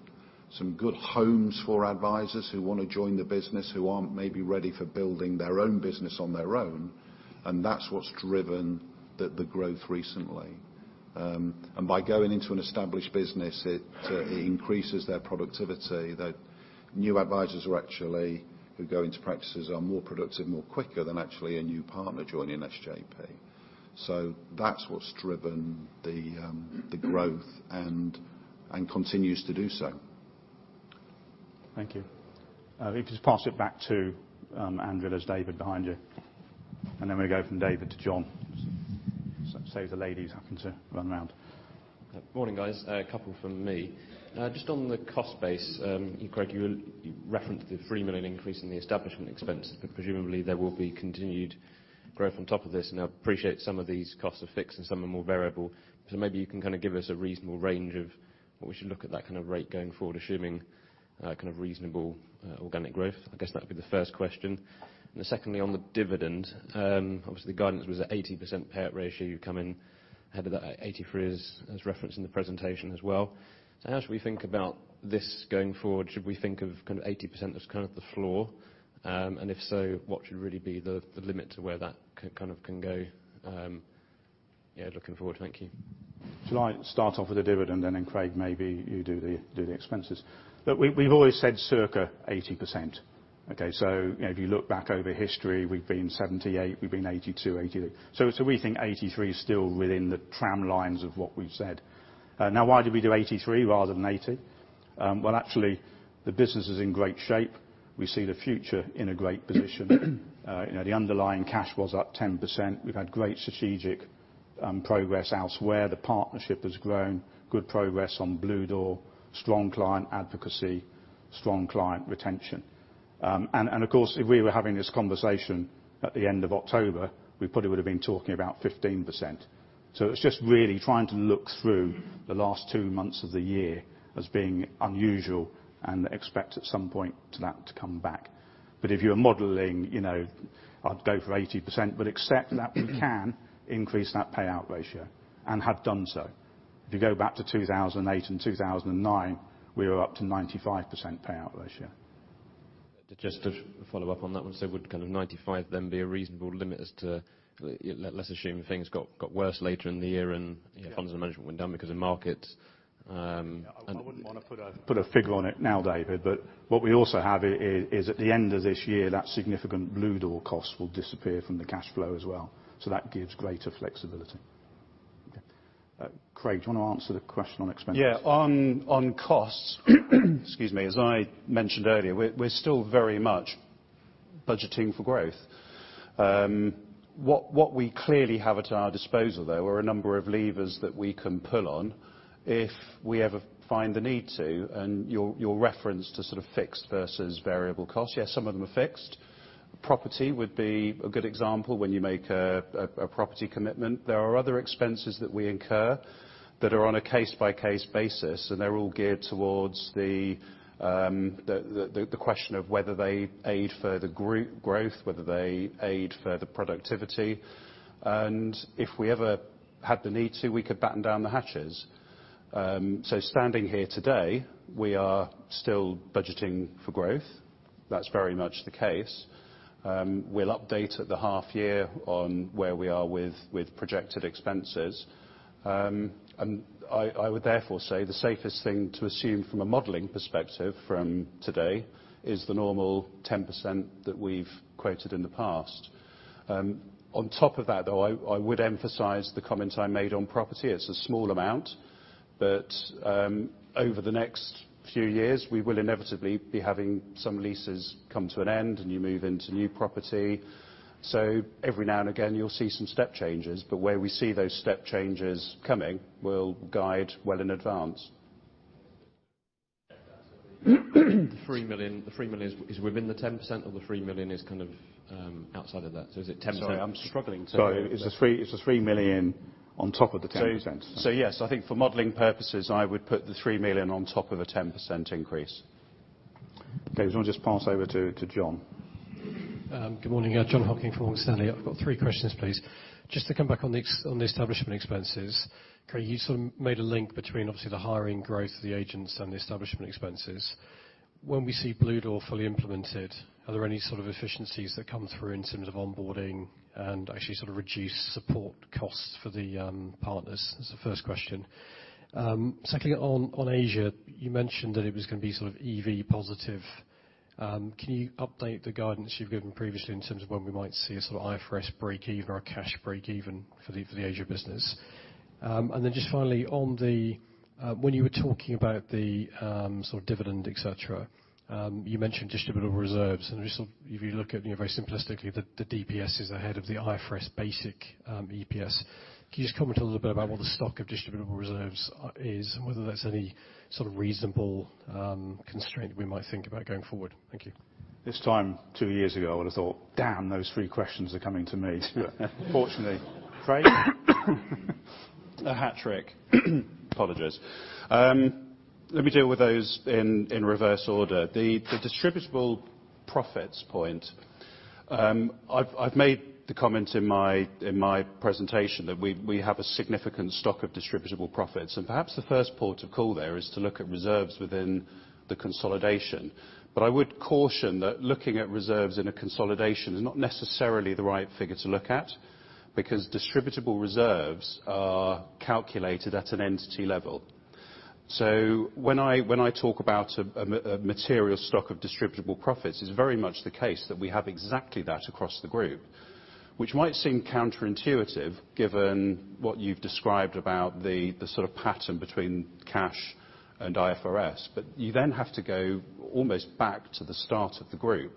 Speaker 5: homes for advisors who want to join the business who aren't maybe ready for building their own business on their own, and that's what's driven the growth recently. By going into an established business, it increases their productivity. The new advisors who go into practices are more productive more quicker than actually a new partner joining SJP. That's what's driven the growth and continues to do so.
Speaker 6: Thank you.
Speaker 1: If you just pass it back to Andrew, there's David behind you. We go from David to Jon. Save the ladies having to run around.
Speaker 7: Morning, guys. A couple from me. Just on the cost base, Craig, you referenced the 3 million increase in the establishment expenses, but presumably there will be continued growth on top of this. I appreciate some of these costs are fixed and some are more variable. Maybe you can give us a reasonable range of what we should look at that kind of rate going forward, assuming reasonable organic growth. I guess that would be the first question. Secondly, on the dividend, obviously guidance was at 80% payout ratio. You've come in ahead of that at 83% as referenced in the presentation as well. How should we think about this going forward? Should we think of 80% as the floor? If so, what should really be the limit to where that can go looking forward? Thank you.
Speaker 1: Should I start off with the dividend, then Craig, maybe you do the expenses? Look, we've always said circa 80%. Okay? If you look back over history, we've been 78, we've been 82, 88. We think 83 is still within the tramlines of what we've said. Why did we do 83 rather than 80? Well, actually, the business is in great shape. We see the future in a great position. The underlying cash was up 10%. We've had great strategic progress elsewhere. The partnership has grown. Good progress on Bluedoor. Strong client advocacy. Strong client retention. Of course, if we were having this conversation at the end of October, we probably would have been talking about 15%. It's just really trying to look through the last two months of the year as being unusual and expect at some point to that to come back.
Speaker 5: If you're modeling, I'd go for 80%, but accept that we can increase that payout ratio and have done so. If you go back to 2008 and 2009, we were up to 95% payout ratio.
Speaker 7: Just to follow up on that one, would 95 then be a reasonable limit as to? Let's assume things got worse later in the year and-
Speaker 1: Yeah funds under management went down because of markets- I wouldn't want to put a figure on it now, David. What we also have is, at the end of this year, that significant Bluedoor cost will disappear from the cash flow as well. That gives greater flexibility.
Speaker 7: Okay. Craig, do you want to answer the question on expenses?
Speaker 3: Yeah. On costs, excuse me, as I mentioned earlier, we're still very much budgeting for growth. What we clearly have at our disposal though, are a number of levers that we can pull on if we ever find the need to. Your reference to sort of fixed versus variable costs, yeah, some of them are fixed. Property would be a good example, when you make a property commitment. There are other expenses that we incur that are on a case-by-case basis, and they're all geared towards the question of whether they aid further group growth, whether they aid further productivity. If we ever had the need to, we could batten down the hatches. Standing here today, we are still budgeting for growth. That's very much the case. We'll update at the half year on where we are with projected expenses. I would therefore say the safest thing to assume from a modeling perspective from today, is the normal 10% that we've quoted in the past. On top of that, though, I would emphasize the comment I made on property. It's a small amount, but over the next few years, we will inevitably be having some leases come to an end and you move into new property. Every now and again, you'll see some step changes. Where we see those step changes coming, we'll guide well in advance.
Speaker 7: The 3 million is within the 10%, or the 3 million is kind of outside of that? Is it 10-
Speaker 3: Sorry, I'm struggling to-
Speaker 1: Sorry. It's the 3 million on top of the 10%.
Speaker 3: Yes. I think for modeling purposes, I would put the 3 million on top of a 10% increase.
Speaker 1: Okay. Do you want to just pass over to Jon?
Speaker 8: Good morning. Yeah, Jon Hocking from Morgan Stanley. I've got three questions, please. To come back on the establishment expenses. Craig, you sort of made a link between obviously the hiring growth of the agents and the establishment expenses. When we see Bluedoor fully implemented, are there any sort of efficiencies that come through in terms of onboarding and actually sort of reduced support costs for the partners? That's the first question. Secondly, on Asia, you mentioned that it was going to be sort of EV positive. Can you update the guidance you've given previously in terms of when we might see a sort of IFRS break even or a cash break even for the Asia business? Finally, when you were talking about the sort of dividend, et cetera, you mentioned distributable reserves. If you look at very simplistically, the DPSs ahead of the IFRS basic EPS. Can you just comment a little bit about what the stock of distributable reserves is, and whether there's any sort of reasonable constraint we might think about going forward? Thank you.
Speaker 1: This time two years ago, I would've thought, "Damn, those three questions are coming to me." Fortunately, Craig.
Speaker 3: A hat trick. Apologize. Let me deal with those in reverse order. The distributable profits point. I've made the comment in my presentation that we have a significant stock of distributable profits, and perhaps the first port of call there is to look at reserves within the consolidation. I would caution that looking at reserves in a consolidation is not necessarily the right figure to look at. Distributable reserves are calculated at an entity level. When I talk about a material stock of distributable profits, it's very much the case that we have exactly that across the group. Which might seem counterintuitive given what you've described about the sort of pattern between cash and IFRS. You then have to go almost back to the start of the group.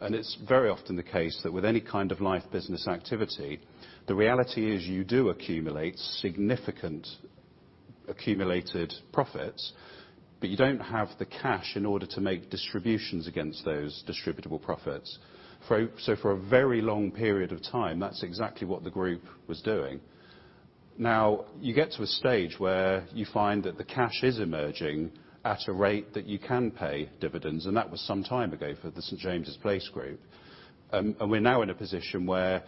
Speaker 3: It's very often the case that with any kind of life business activity, the reality is you do accumulate significant accumulated profits. You don't have the cash in order to make distributions against those distributable profits. For a very long period of time, that's exactly what the group was doing. Now you get to a stage where you find that the cash is emerging at a rate that you can pay dividends, and that was some time ago for the St. James's Place group. We're now in a position where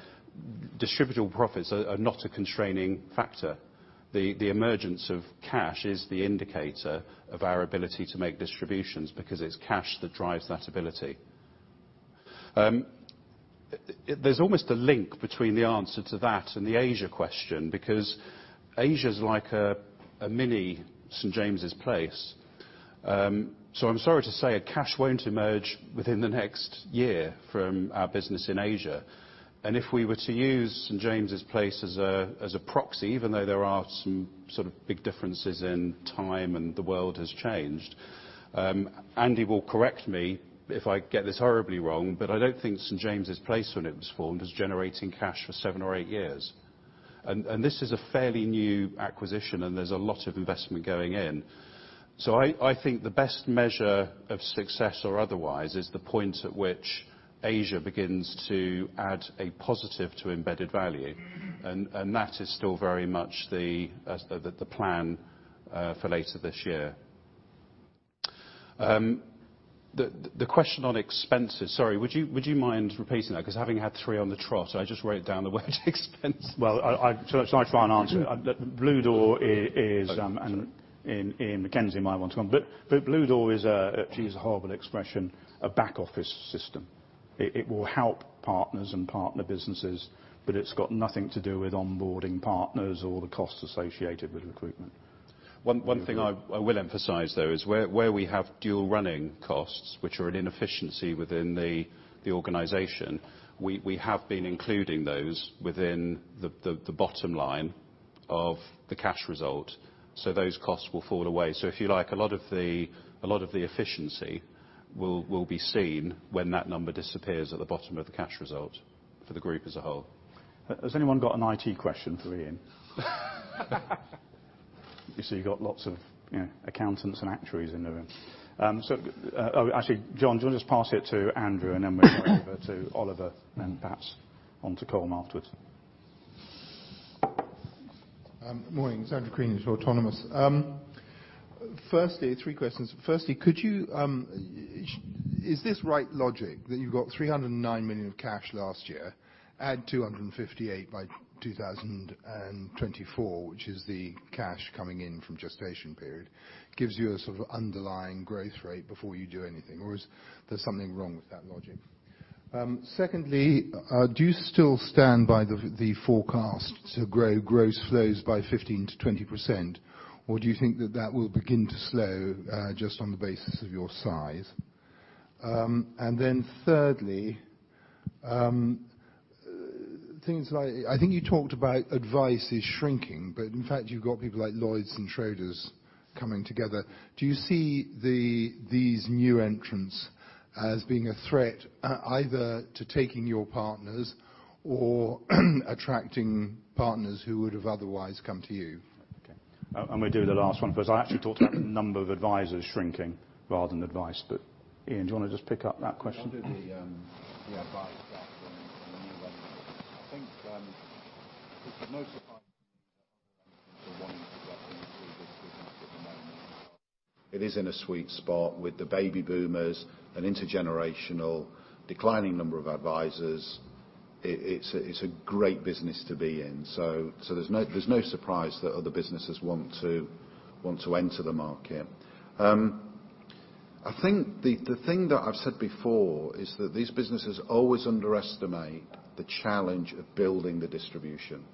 Speaker 3: distributable profits are not a constraining factor. The emergence of cash is the indicator of our ability to make distributions because it's cash that drives that ability. There's almost a link between the answer to that and the Asia question because Asia's like a mini St. James's Place. I'm sorry to say that cash won't emerge within the next year from our business in Asia. If we were to use St. James's Place as a proxy, even though there are some sort of big differences in time and the world has changed. Andy will correct me if I get this horribly wrong, but I don't think St. James's Place, when it was formed, was generating cash for seven or eight years. This is a fairly new acquisition, and there's a lot of investment going in. I think the best measure of success or otherwise is the point at which Asia begins to add a positive to embedded value. That is still very much the plan for later this year. The question on expenses, sorry, would you mind repeating that? Having had three on the trot, I just wrote down the words Well, shall I try and answer it? Bluedoor is-
Speaker 5: Okay. Ian MacKenzie might want to come. Bluedoor is a, geez a horrible expression, a back office system. It will help partners and partner businesses, but it's got nothing to do with onboarding partners or the costs associated with recruitment. One thing I will emphasize, though, is where we have dual running costs, which are an inefficiency within the organization, we have been including those within the bottom line of the cash result. Those costs will fall away. If you like, a lot of the efficiency will be seen when that number disappears at the bottom of the cash result for the group as a whole.
Speaker 1: Has anyone got an IT question for Ian? You see you got lots of accountants and actuaries in the room. Actually, Jon, do you want to just pass it to Andrew, then we'll go over to Oliver, then perhaps on to Colm afterwards.
Speaker 7: Good morning. It's Andrew Crean with Autonomous. Firstly, three questions. Firstly, is this right logic that you've got 309 million of cash last year, add 258 by 2024, which is the cash coming in from gestation period, gives you a sort of underlying growth rate before you do anything? Or is there something wrong with that logic? Secondly, do you still stand by the forecast to grow gross flows by 15%-20%? Or do you think that that will begin to slow, just on the basis of your size? Then thirdly, I think you talked about advice is shrinking. In fact you've got people like Lloyds and Schroders coming together. Do you see these new entrants as being a threat either to taking your partners or attracting partners who would have otherwise come to you?
Speaker 1: We'll do the last one first. I actually talked about the number of advisors shrinking rather than advice. Ian, do you want to just pick up that question?
Speaker 5: I'll do the advice bit and the new entrants. I think for most of our partners are wanting to get into this business at the moment. It is in a sweet spot with the baby boomers and intergenerational declining number of advisors. It's a great business to be in. There's no surprise that other businesses want to enter the market. I think the thing that I've said before is that these businesses always underestimate the challenge of building the distribution.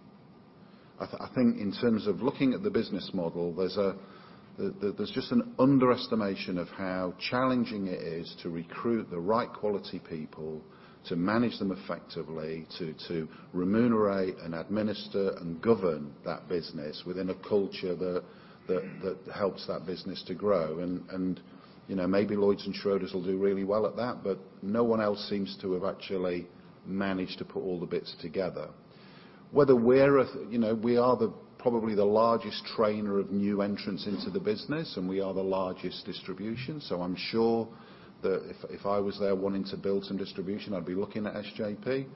Speaker 5: I think in terms of looking at the business model, there's just an underestimation of how challenging it is to recruit the right quality people, to manage them effectively, to remunerate and administer and govern that business within a culture that helps that business to grow. Maybe Lloyds and Schroders will do really well at that, but no one else seems to have actually managed to put all the bits together. We are probably the largest trainer of new entrants into the business and we are the largest distribution. I'm sure that if I was there wanting to build some distribution, I'd be looking at SJP.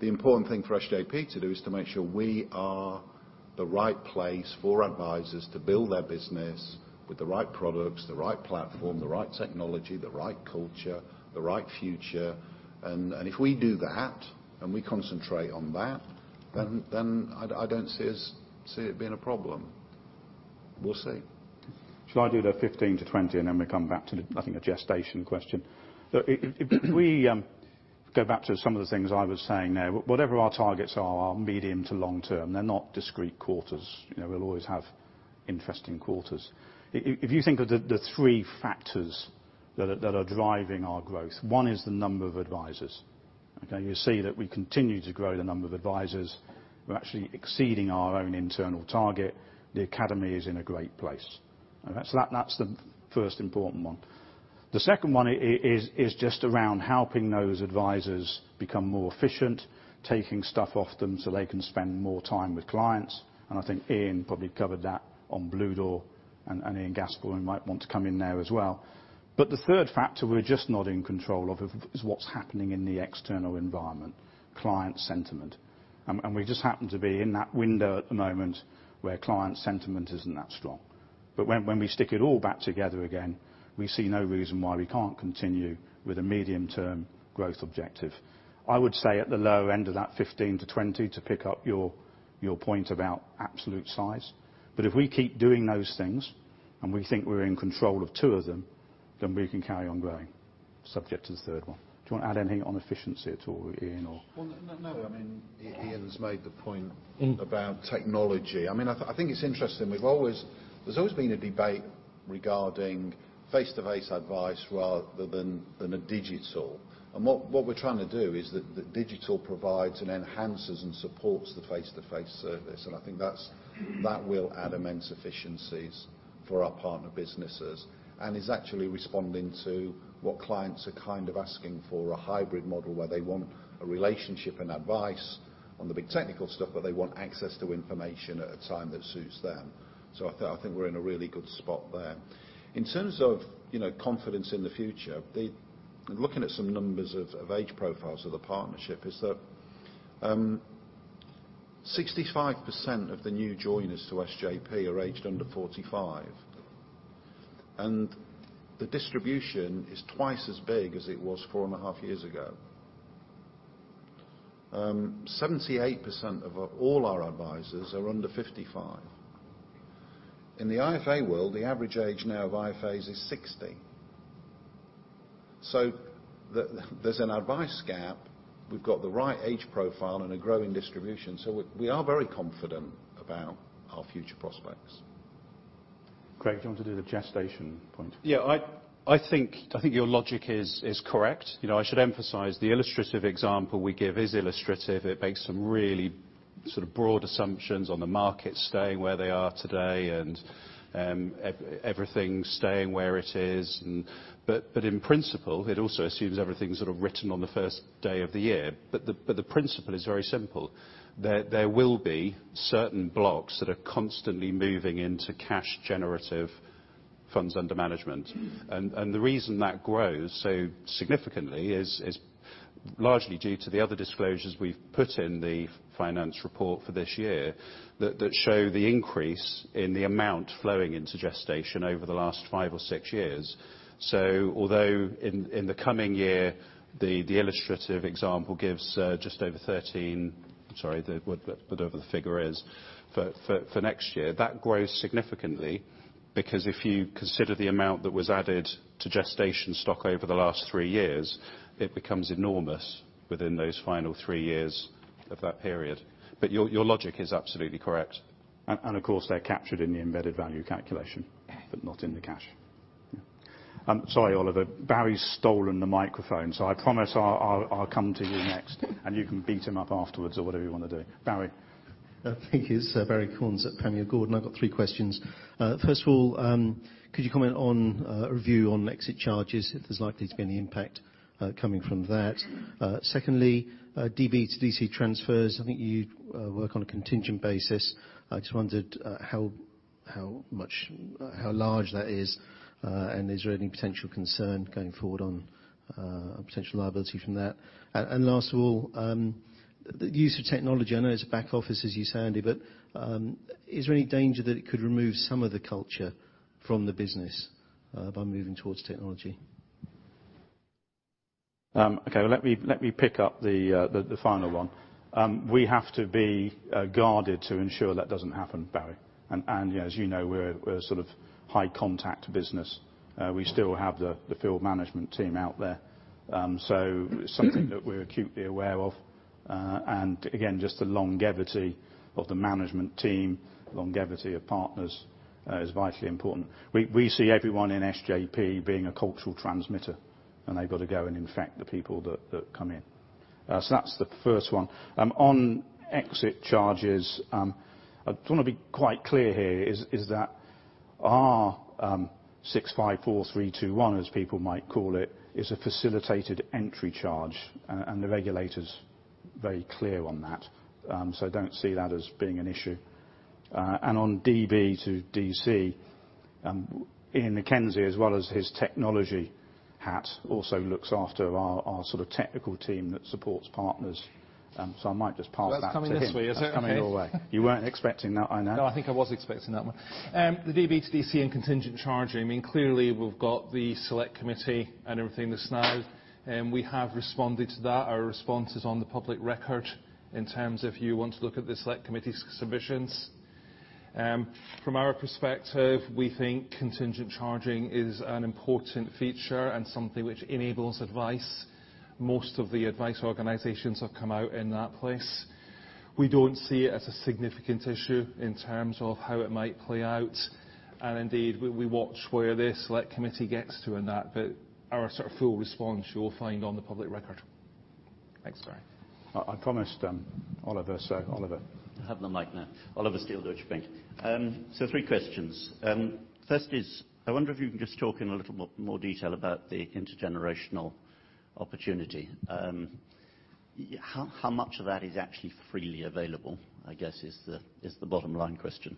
Speaker 5: The important thing for SJP to do is to make sure we are the right place for advisors to build their business with the right products, the right platform, the right technology, the right culture, the right future. If we do that, and we concentrate on that, then I don't see it being a problem. We'll see.
Speaker 1: Shall I do the 15 to 20 and then we come back to, I think, the gestation question? If we go back to some of the things I was saying there. Whatever our targets are, our medium to long term, they're not discrete quarters. We'll always have interesting quarters. If you think of the three factors that are driving our growth, one is the number of advisors, okay? You see that we continue to grow the number of advisors. We're actually exceeding our own internal target. The Academy is in a great place. That's the first important one. The second one is just around helping those advisors become more efficient, taking stuff off them so they can spend more time with clients. I think Ian probably covered that on Bluedoor, and Ian Gascoigne might want to come in there as well. The third factor we're just not in control of is what's happening in the external environment, client sentiment. We just happen to be in that window at the moment where client sentiment isn't that strong. When we stick it all back together again, we see no reason why we can't continue with a medium-term growth objective. I would say at the low end of that 15%-20% to pick up your point about absolute size. If we keep doing those things, and we think we're in control of two of them, then we can carry on growing, subject to the third one. Do you want to add anything on efficiency at all, Ian?
Speaker 5: Well, no. Ian's made the point about technology. I think it's interesting. There's always been a debate regarding face-to-face advice rather than a digital. What we're trying to do is the digital provides and enhances and supports the face-to-face service. I think that will add immense efficiencies for our partner businesses and is actually responding to what clients are kind of asking for a hybrid model where they want a relationship and advice on the big technical stuff, but they want access to information at a time that suits them. I think we're in a really good spot there. In terms of confidence in the future, looking at some numbers of age profiles of the partnership is that 65% of the new joiners to SJP are aged under 45. The distribution is twice as big as it was four and a half years ago. 78% of all our advisors are under 55. In the IFA world, the average age now of IFAs is 60. There's an advice gap. We've got the right age profile and a growing distribution, we are very confident about our future prospects.
Speaker 1: Craig, do you want to do the gestation point?
Speaker 3: Yeah, I think your logic is correct. I should emphasize, the illustrative example we give is illustrative. It makes some really broad assumptions on the markets staying where they are today and everything staying where it is. In principle, it also assumes everything's written on the first day of the year. The principle is very simple, that there will be certain blocks that are constantly moving into cash generative funds under management. The reason that grows so significantly is largely due to the other disclosures we've put in the finance report for this year, that show the increase in the amount flowing into gestation over the last five or six years. Although in the coming year, the illustrative example gives just over 13, sorry, whatever the figure is. For next year, that grows significantly, because if you consider the amount that was added to gestation stock over the last three years, it becomes enormous within those final three years of that period. Your logic is absolutely correct.
Speaker 1: Of course, they're captured in the embedded value calculation, but not in the cash. Yeah. Sorry, Oliver. Barrie's stolen the microphone. I promise I'll come to you next, and you can beat him up afterwards or whatever you want to do. Barrie?
Speaker 9: Thank you, sir. Barrie Cornes at Panmure Gordon. I've got three questions. First of all, could you comment on a review on exit charges, if there's likely to be any impact coming from that? Secondly, DB to DC transfers. I think you work on a contingent basis. I just wondered how large that is. Is there any potential concern going forward on potential liability from that? Last of all, the use of technology. I know it's a back office, as you say, Andy. Is there any danger that it could remove some of the culture from the business by moving towards technology?
Speaker 1: Okay, let me pick up the final one. We have to be guarded to ensure that doesn't happen, Barrie. As you know, we're a high contact business. We still have the field management team out there. It's something that we're acutely aware of. Again, just the longevity of the management team, longevity of partners is vitally important. We see everyone in SJP being a cultural transmitter, and they've got to go and infect the people that come in. That's the first one. On exit charges, I want to be quite clear here, is that our 654321, as people might call it, is a facilitated entry charge. The regulator's very clear on that. I don't see that as being an issue. On DB to DC, Ian Mackenzie, as well as his technology hat, also looks after our technical team that supports partners. I might just pass that to him.
Speaker 4: That's coming this way, is it? Okay.
Speaker 1: That's coming your way. You weren't expecting that, I know.
Speaker 4: No, I think I was expecting that one. The DB to DC and contingent charging, clearly we've got the select committee and everything that is now, we have responded to that. Our response is on the public record in terms of you want to look at the select committee's submissions. From our perspective, we think contingent charging is an important feature and something which enables advice. Most of the advice organizations have come out in that place. We don't see it as a significant issue in terms of how it might play out. Indeed, we watch where the select committee gets to in that. Our full response you will find on the public record.
Speaker 1: Thanks, Barrie. I promised Oliver.
Speaker 10: I have the mic now. Oliver Steel, Deutsche Bank. Three questions. First is, I wonder if you can just talk in a little more detail about the intergenerational opportunity. How much of that is actually freely available, I guess is the bottom line question.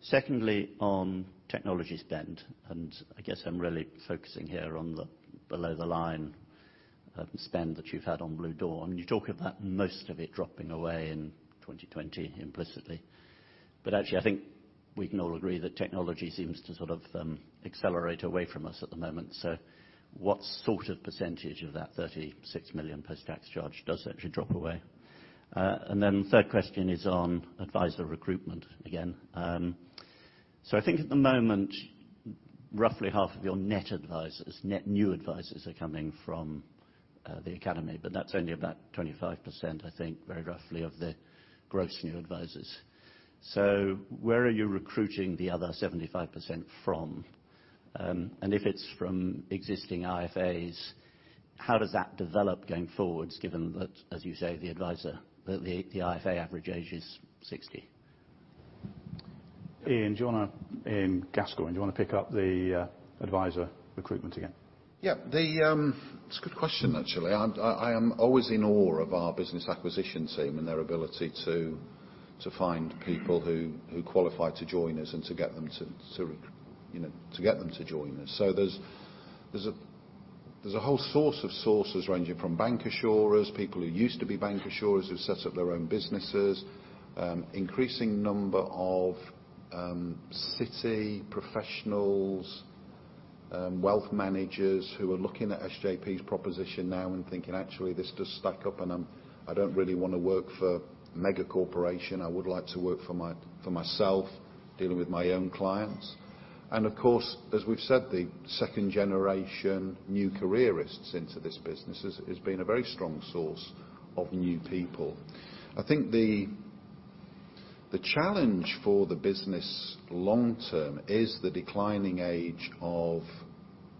Speaker 10: Secondly, on technology spend, I guess I'm really focusing here on the below the line spend that you've had on Bluedoor. You talk about most of it dropping away in 2020 implicitly. Actually, I think we can all agree that technology seems to sort of accelerate away from us at the moment. What sort of percentage of that 36 million post-tax charge does actually drop away? Then third question is on advisor recruitment again. I think at the moment, roughly half of your net new advisors are coming from the Academy, that's only about 25%, I think, very roughly of the gross new advisors. Where are you recruiting the other 75% from? If it's from existing IFAs, how does that develop going forward, given that, as you say, the IFA average age is 60?
Speaker 1: Ian Gascoigne, do you want to pick up the advisor recruitment again?
Speaker 5: Yeah. It's a good question, actually. I am always in awe of our business acquisition team and their ability to find people who qualify to join us and to get them to join us. There's a whole source of sources ranging from bank insurers, people who used to be bank insurers who've set up their own businesses. Increasing number of City professionals, wealth managers who are looking at SJP's proposition now and thinking, "Actually, this does stack up and I don't really want to work for mega-corporation. I would like to work for myself, dealing with my own clients." Of course, as we've said, the second-generation new careerists into this business has been a very strong source of new people. I think the challenge for the business long term is the declining age of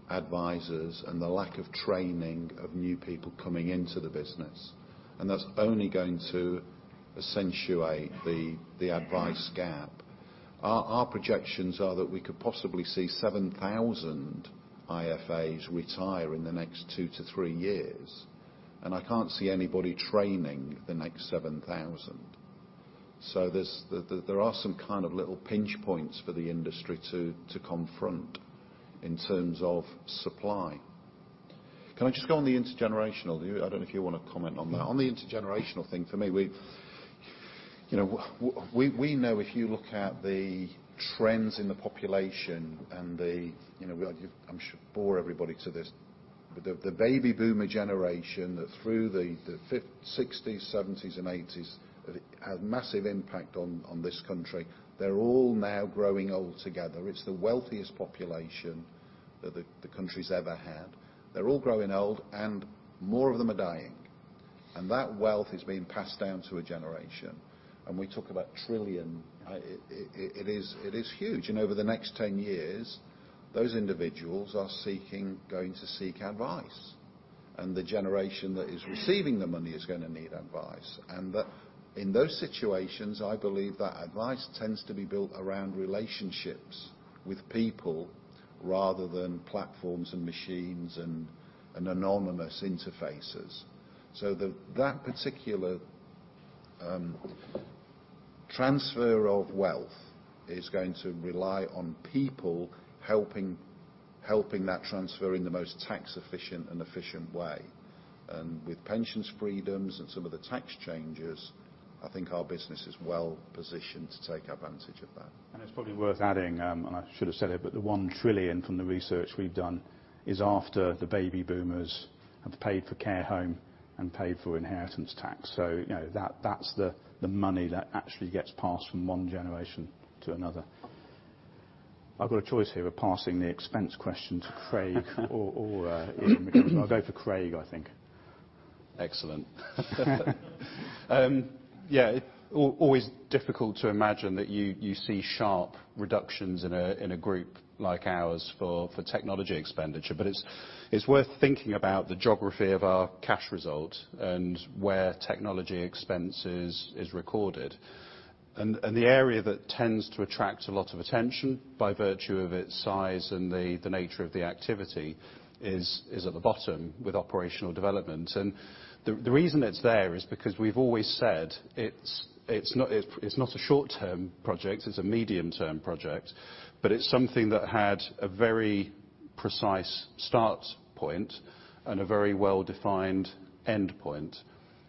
Speaker 5: advisors and the lack of training of new people coming into the business, and that's only going to accentuate the advice gap. Our projections are that we could possibly see 7,000 IFAs retire in the next two to three years, and I can't see anybody training the next 7,000. There are some kind of little pinch points for the industry to confront in terms of supply. Can I just go on the intergenerational? I don't know if you want to comment on that.
Speaker 1: No. On the intergenerational thing, for me, you know, if you look at the trends in the population and I'm sure I bore everybody to this. The baby boomer generation, through the '60s, '70s, and '80s, had massive impact on this country. They're all now growing old together. It's the wealthiest population that the country's ever had. They're all growing old, and more of them are dying, and that wealth is being passed down to a generation. We talk about 1 trillion, it is huge. Over the next 10 years, those individuals are going to seek advice, and the generation that is receiving the money is going to need advice. In those situations, I believe that advice tends to be built around relationships with people rather than platforms and machines and anonymous interfaces.
Speaker 5: That particular transfer of wealth is going to rely on people helping that transfer in the most tax efficient and efficient way. With pensions freedoms and some of the tax changes, I think our business is well positioned to take advantage of that.
Speaker 1: It's probably worth adding, and I should've said it, but the 1 trillion from the research we've done is after the baby boomers have paid for care home and paid for inheritance tax. That's the money that actually gets passed from one generation to another. I've got a choice here of passing the expense question to Craig or Ian MacKenzie. I'll go for Craig, I think.
Speaker 3: Excellent. Yeah. Always difficult to imagine that you see sharp reductions in a group like ours for technology expenditure. It's worth thinking about the geography of our cash result and where technology expenses is recorded. The area that tends to attract a lot of attention by virtue of its size and the nature of the activity is at the bottom with operational development. The reason it's there is because we've always said it's not a short-term project, it's a medium-term project, but it's something that had a very precise start point and a very well-defined end point.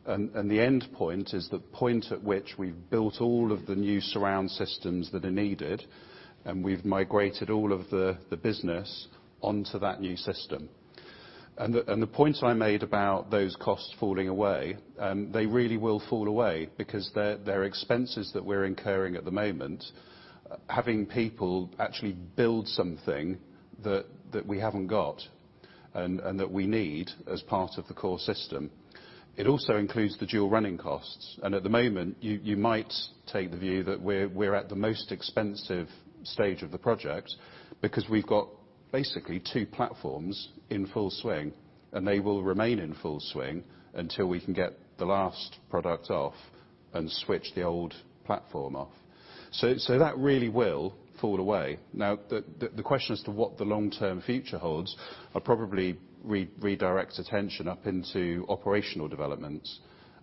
Speaker 3: The end point is the point at which we've built all of the new surround systems that are needed, and we've migrated all of the business onto that new system. The point I made about those costs falling away, they really will fall away because they're expenses that we're incurring at the moment, having people actually build something that we haven't got and that we need as part of the core system. It also includes the dual running costs. At the moment, you might take the view that we're at the most expensive stage of the project because we've got basically two platforms in full swing, and they will remain in full swing until we can get the last product off and switch the old platform off. That really will fall away. The question as to what the long-term future holds, I'd probably redirect attention up into operational development,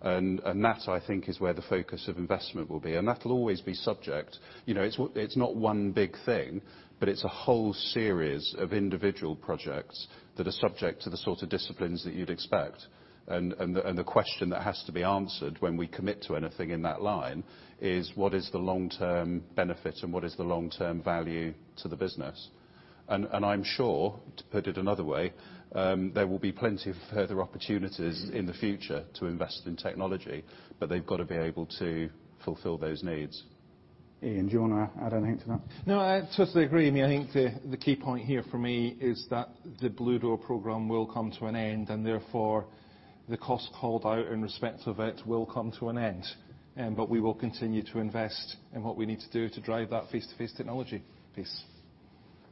Speaker 3: and that I think is where the focus of investment will be, and that'll always be subject. It's not one big thing, but it's a whole series of individual projects that are subject to the sort of disciplines that you'd expect. The question that has to be answered when we commit to anything in that line is what is the long-term benefit and what is the long-term value to the business? I'm sure, to put it another way, there will be plenty of further opportunities in the future to invest in technology, but they've got to be able to fulfill those needs.
Speaker 1: Ian, do you want to add anything to that?
Speaker 4: No, I totally agree. I think the key point here for me is that the Bluedoor program will come to an end, therefore, the cost called out in respect of it will come to an end. We will continue to invest in what we need to do to drive that face-to-face technology piece.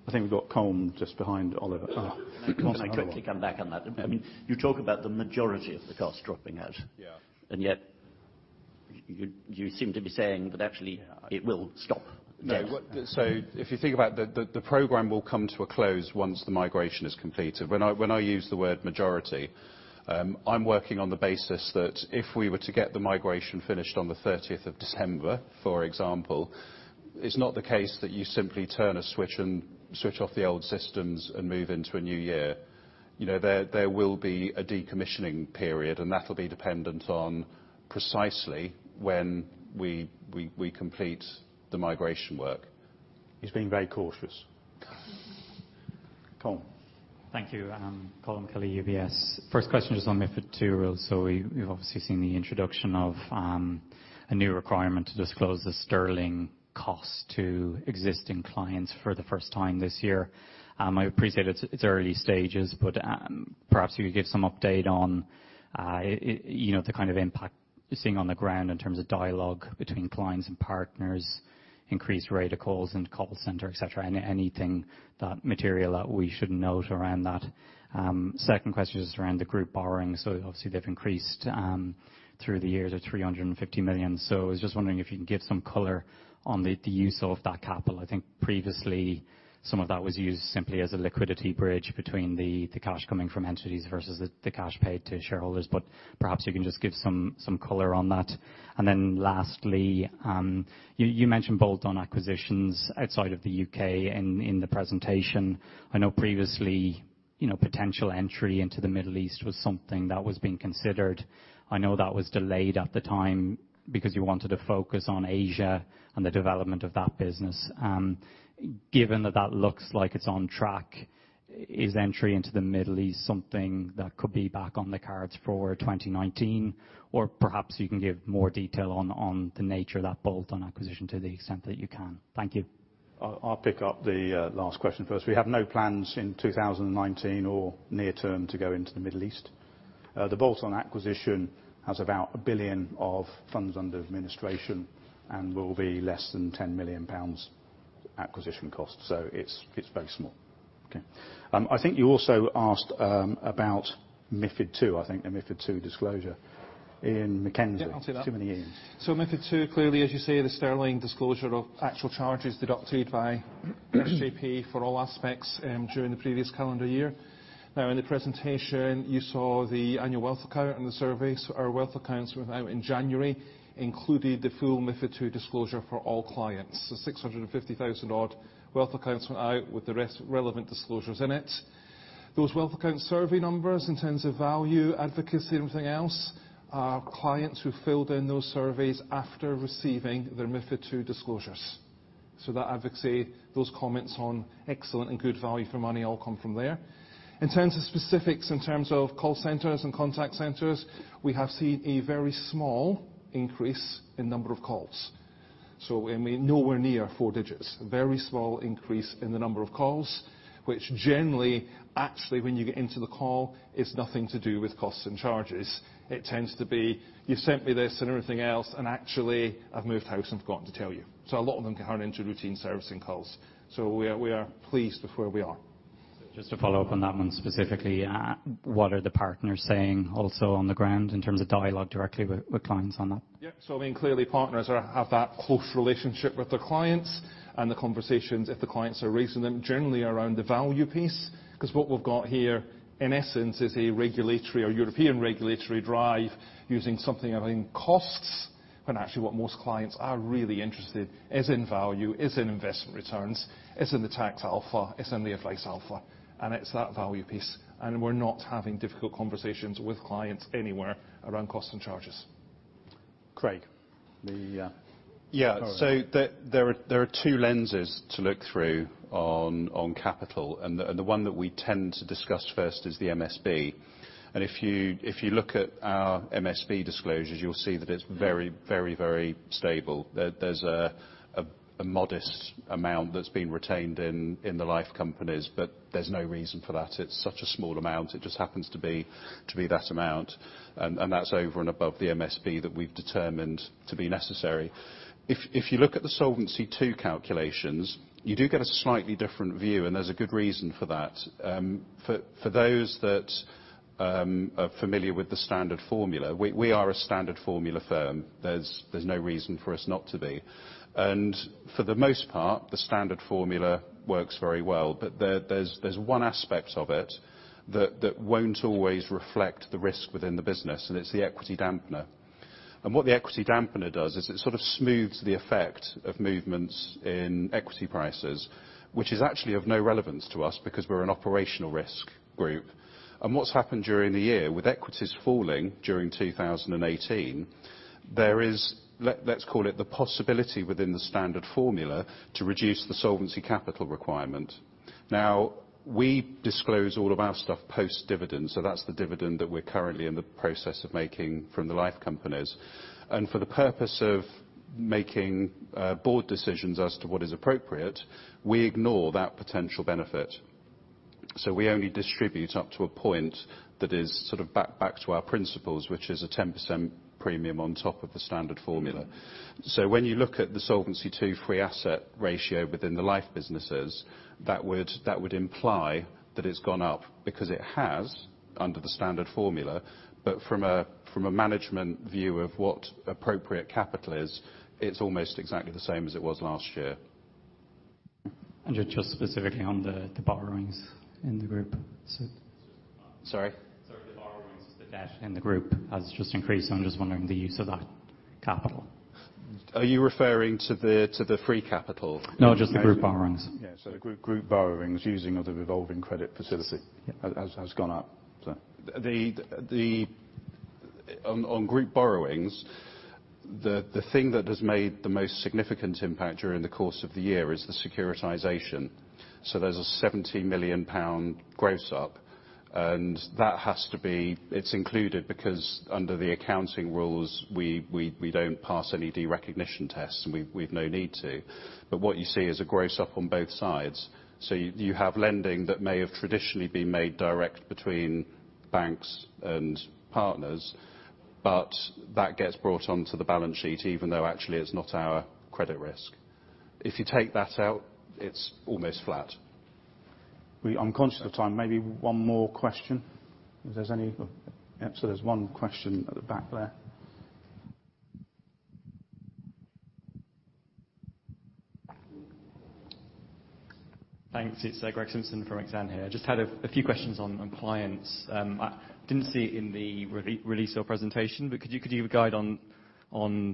Speaker 1: I think we've got Colm just behind Oliver. Oh.
Speaker 10: Can I quickly come back on that? You talk about the majority of the cost dropping out.
Speaker 3: Yeah.
Speaker 10: Yet you seem to be saying that actually it will stop.
Speaker 3: No. If you think about the program will come to a close once the migration is completed. When I use the word majority, I'm working on the basis that if we were to get the migration finished on the 30th of December, for example. It's not the case that you simply turn a switch and switch off the old systems and move into a new year. There will be a decommissioning period, and that'll be dependent on precisely when we complete the migration work.
Speaker 1: He's being very cautious. Colm.
Speaker 11: Thank you. Colm Kelly, UBS. First question is on the material. We've obviously seen the introduction of a new requirement to disclose the sterling cost to existing clients for the first time this year. I appreciate it's early stages, but perhaps you could give some update on the kind of impact you're seeing on the ground in terms of dialogue between clients and partners, increased rate of calls into call center, et cetera. Anything that material that we should note around that. Second question is around the group borrowing. Obviously they've increased through the year to 350 million. I was just wondering if you can give some color on the use of that capital. I think previously some of that was used simply as a liquidity bridge between the cash coming from entities versus the cash paid to shareholders, perhaps you can just give some color on that. Lastly, you mentioned bolt-on acquisitions outside of the U.K. in the presentation. I know previously, potential entry into the Middle East was something that was being considered. I know that was delayed at the time because you wanted to focus on Asia and the development of that business. Given that that looks like it's on track, is entry into the Middle East something that could be back on the cards for 2019? Perhaps you can give more detail on the nature of that bolt-on acquisition to the extent that you can. Thank you.
Speaker 1: I'll pick up the last question first. We have no plans in 2019 or near term to go into the Middle East. The bolt-on acquisition has about 1 billion of funds under administration and will be less than 10 million pounds acquisition cost. It's very small. Okay. I think you also asked about MiFID II, I think the MiFID II disclosure. Ian MacKenzie-
Speaker 4: Yeah, I'll take that. Too many Ians. MiFID II, clearly, as you say, the sterling disclosure of actual charges deducted by SJP for all aspects during the previous calendar year. In the presentation, you saw the annual wealth account and the surveys. Our wealth accounts went out in January, including the full MiFID II disclosure for all clients. The 650,000 odd wealth accounts went out with the relevant disclosures in it. Those wealth account survey numbers in terms of value, advocacy, and everything else, are clients who filled in those surveys after receiving their MiFID II disclosures. That advocacy, those comments on excellent and good value for money all come from there. In terms of specifics, in terms of call centers and contact centers, we have seen a very small increase in number of calls. Nowhere near four digits. A very small increase in the number of calls, which generally, actually, when you get into the call, it's nothing to do with costs and charges. It tends to be, "You've sent me this and everything else, and actually, I've moved house and forgotten to tell you." A lot of them turn into routine servicing calls. We are pleased with where we are.
Speaker 11: Just to follow up on that one specifically, what are the partners saying also on the ground in terms of dialogue directly with clients on that?
Speaker 4: Yeah. I mean, clearly partners have that close relationship with the clients, and the conversations, if the clients are raising them, generally are around the value piece. What we've got here, in essence, is a regulatory or European regulatory drive using something of in costs, when actually what most clients are really interested is in value, is in investment returns, is in the taxed alpha, is in the advised alpha. It's that value piece. We're not having difficult conversations with clients anywhere around costs and charges.
Speaker 3: Craig, Yeah. There are two lenses to look through on capital, the one that we tend to discuss first is the MSB. If you look at our MSB disclosures, you'll see that it's very stable. There's a modest amount that's been retained in the life companies. There's no reason for that. It's such a small amount. It just happens to be that amount. That's over and above the MSB that we've determined to be necessary. If you look at the Solvency II calculations, you do get a slightly different view, there's a good reason for that. For those that are familiar with the standard formula, we are a standard formula firm. There's no reason for us not to be. For the most part, the standard formula works very well. There's one aspect of it that won't always reflect the risk within the business, it's the equity dampener. What the equity dampener does is it sort of smooths the effect of movements in equity prices, which is actually of no relevance to us we're an operational risk group. What's happened during the year, with equities falling during 2018, there is, let's call it the possibility within the standard formula to reduce the solvency capital requirement. We disclose all of our stuff post-dividend, that's the dividend that we're currently in the process of making from the life companies. For the purpose of making board decisions as to what is appropriate, we ignore that potential benefit. We only distribute up to a point that is sort of back to our principles, which is a 10% premium on top of the standard formula. When you look at the Solvency II free asset ratio within the life businesses, that would imply that it's gone up, because it has, under the standard formula. From a management view of what appropriate capital is, it's almost exactly the same as it was last year.
Speaker 11: Just specifically on the borrowings in the group, Sid?
Speaker 3: Sorry?
Speaker 11: Sorry, the borrowings, the debt in the group has just increased. I'm just wondering the use of that capital.
Speaker 3: Are you referring to the free capital?
Speaker 11: No, just the group borrowings.
Speaker 3: Yeah. The group borrowings using of the revolving credit facility.
Speaker 11: Yeah has gone up. On group borrowings, the thing that has made the most significant impact during the course of the year is the securitization. There's a 70 million pound gross up, and it's included because under the accounting rules, we don't pass any derecognition tests, and we've no need to. What you see is a gross up on both sides. You have lending that may have traditionally been made direct between banks and partners, but that gets brought onto the balance sheet even though actually it's not our credit risk. If you take that out, it's almost flat.
Speaker 1: I'm conscious of time. Maybe one more question, if there's any. Yep. There's one question at the back there.
Speaker 12: Thanks. It's Greg Simpson from Exane here. Just had a few questions on clients. I didn't see it in the release or presentation, but could you give a guide on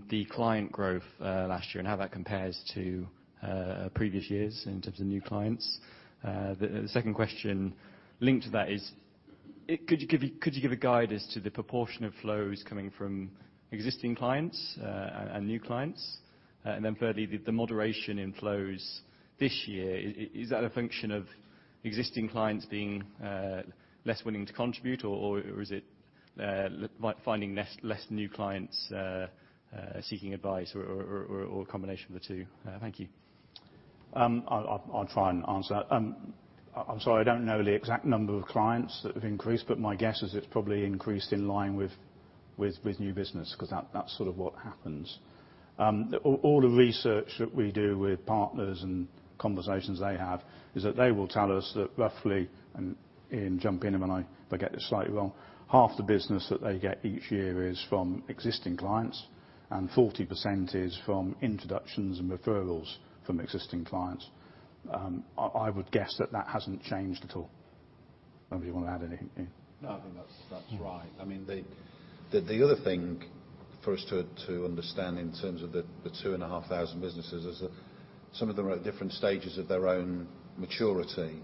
Speaker 12: the client growth last year and how that compares to previous years in terms of new clients? The second question linked to that is could you give a guide as to the proportion of flows coming from existing clients and new clients? Further, the moderation in flows this year, is that a function of existing clients being less willing to contribute, or is it finding less new clients seeking advice or a combination of the two? Thank you.
Speaker 1: I'll try and answer that. I'm sorry, I don't know the exact number of clients that have increased, but my guess is it's probably increased in line with new business, because that's sort of what happens. All the research that we do with partners and conversations they have is that they will tell us that roughly, and Ian jump in if I get this slightly wrong, half the business that they get each year is from existing clients and 40% is from introductions and referrals from existing clients. I would guess that that hasn't changed at all. Maybe you want to add anything, Ian?
Speaker 5: No, I think that's right. The other thing for us to understand in terms of the 2,500 businesses is that some of them are at different stages of their own maturity.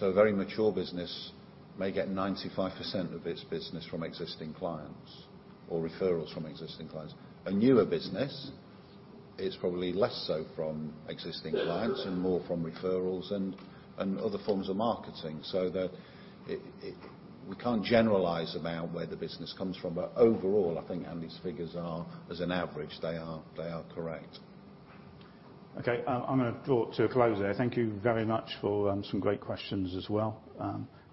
Speaker 5: A very mature business may get 95% of its business from existing clients or referrals from existing clients. A newer business is probably less so from existing clients and more from referrals and other forms of marketing, so that it, we can't generalize about where the business comes from. Overall, I think Andy's figures are, as an average, they are correct.
Speaker 1: Okay. I'm going to draw to a close there. Thank you very much for some great questions as well.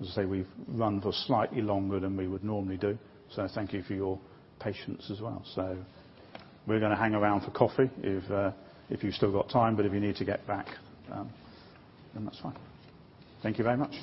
Speaker 1: As I say, we've run for slightly longer than we would normally do, thank you for your patience as well. We're going to hang around for coffee if you've still got time. If you need to get back, then that's fine. Thank you very much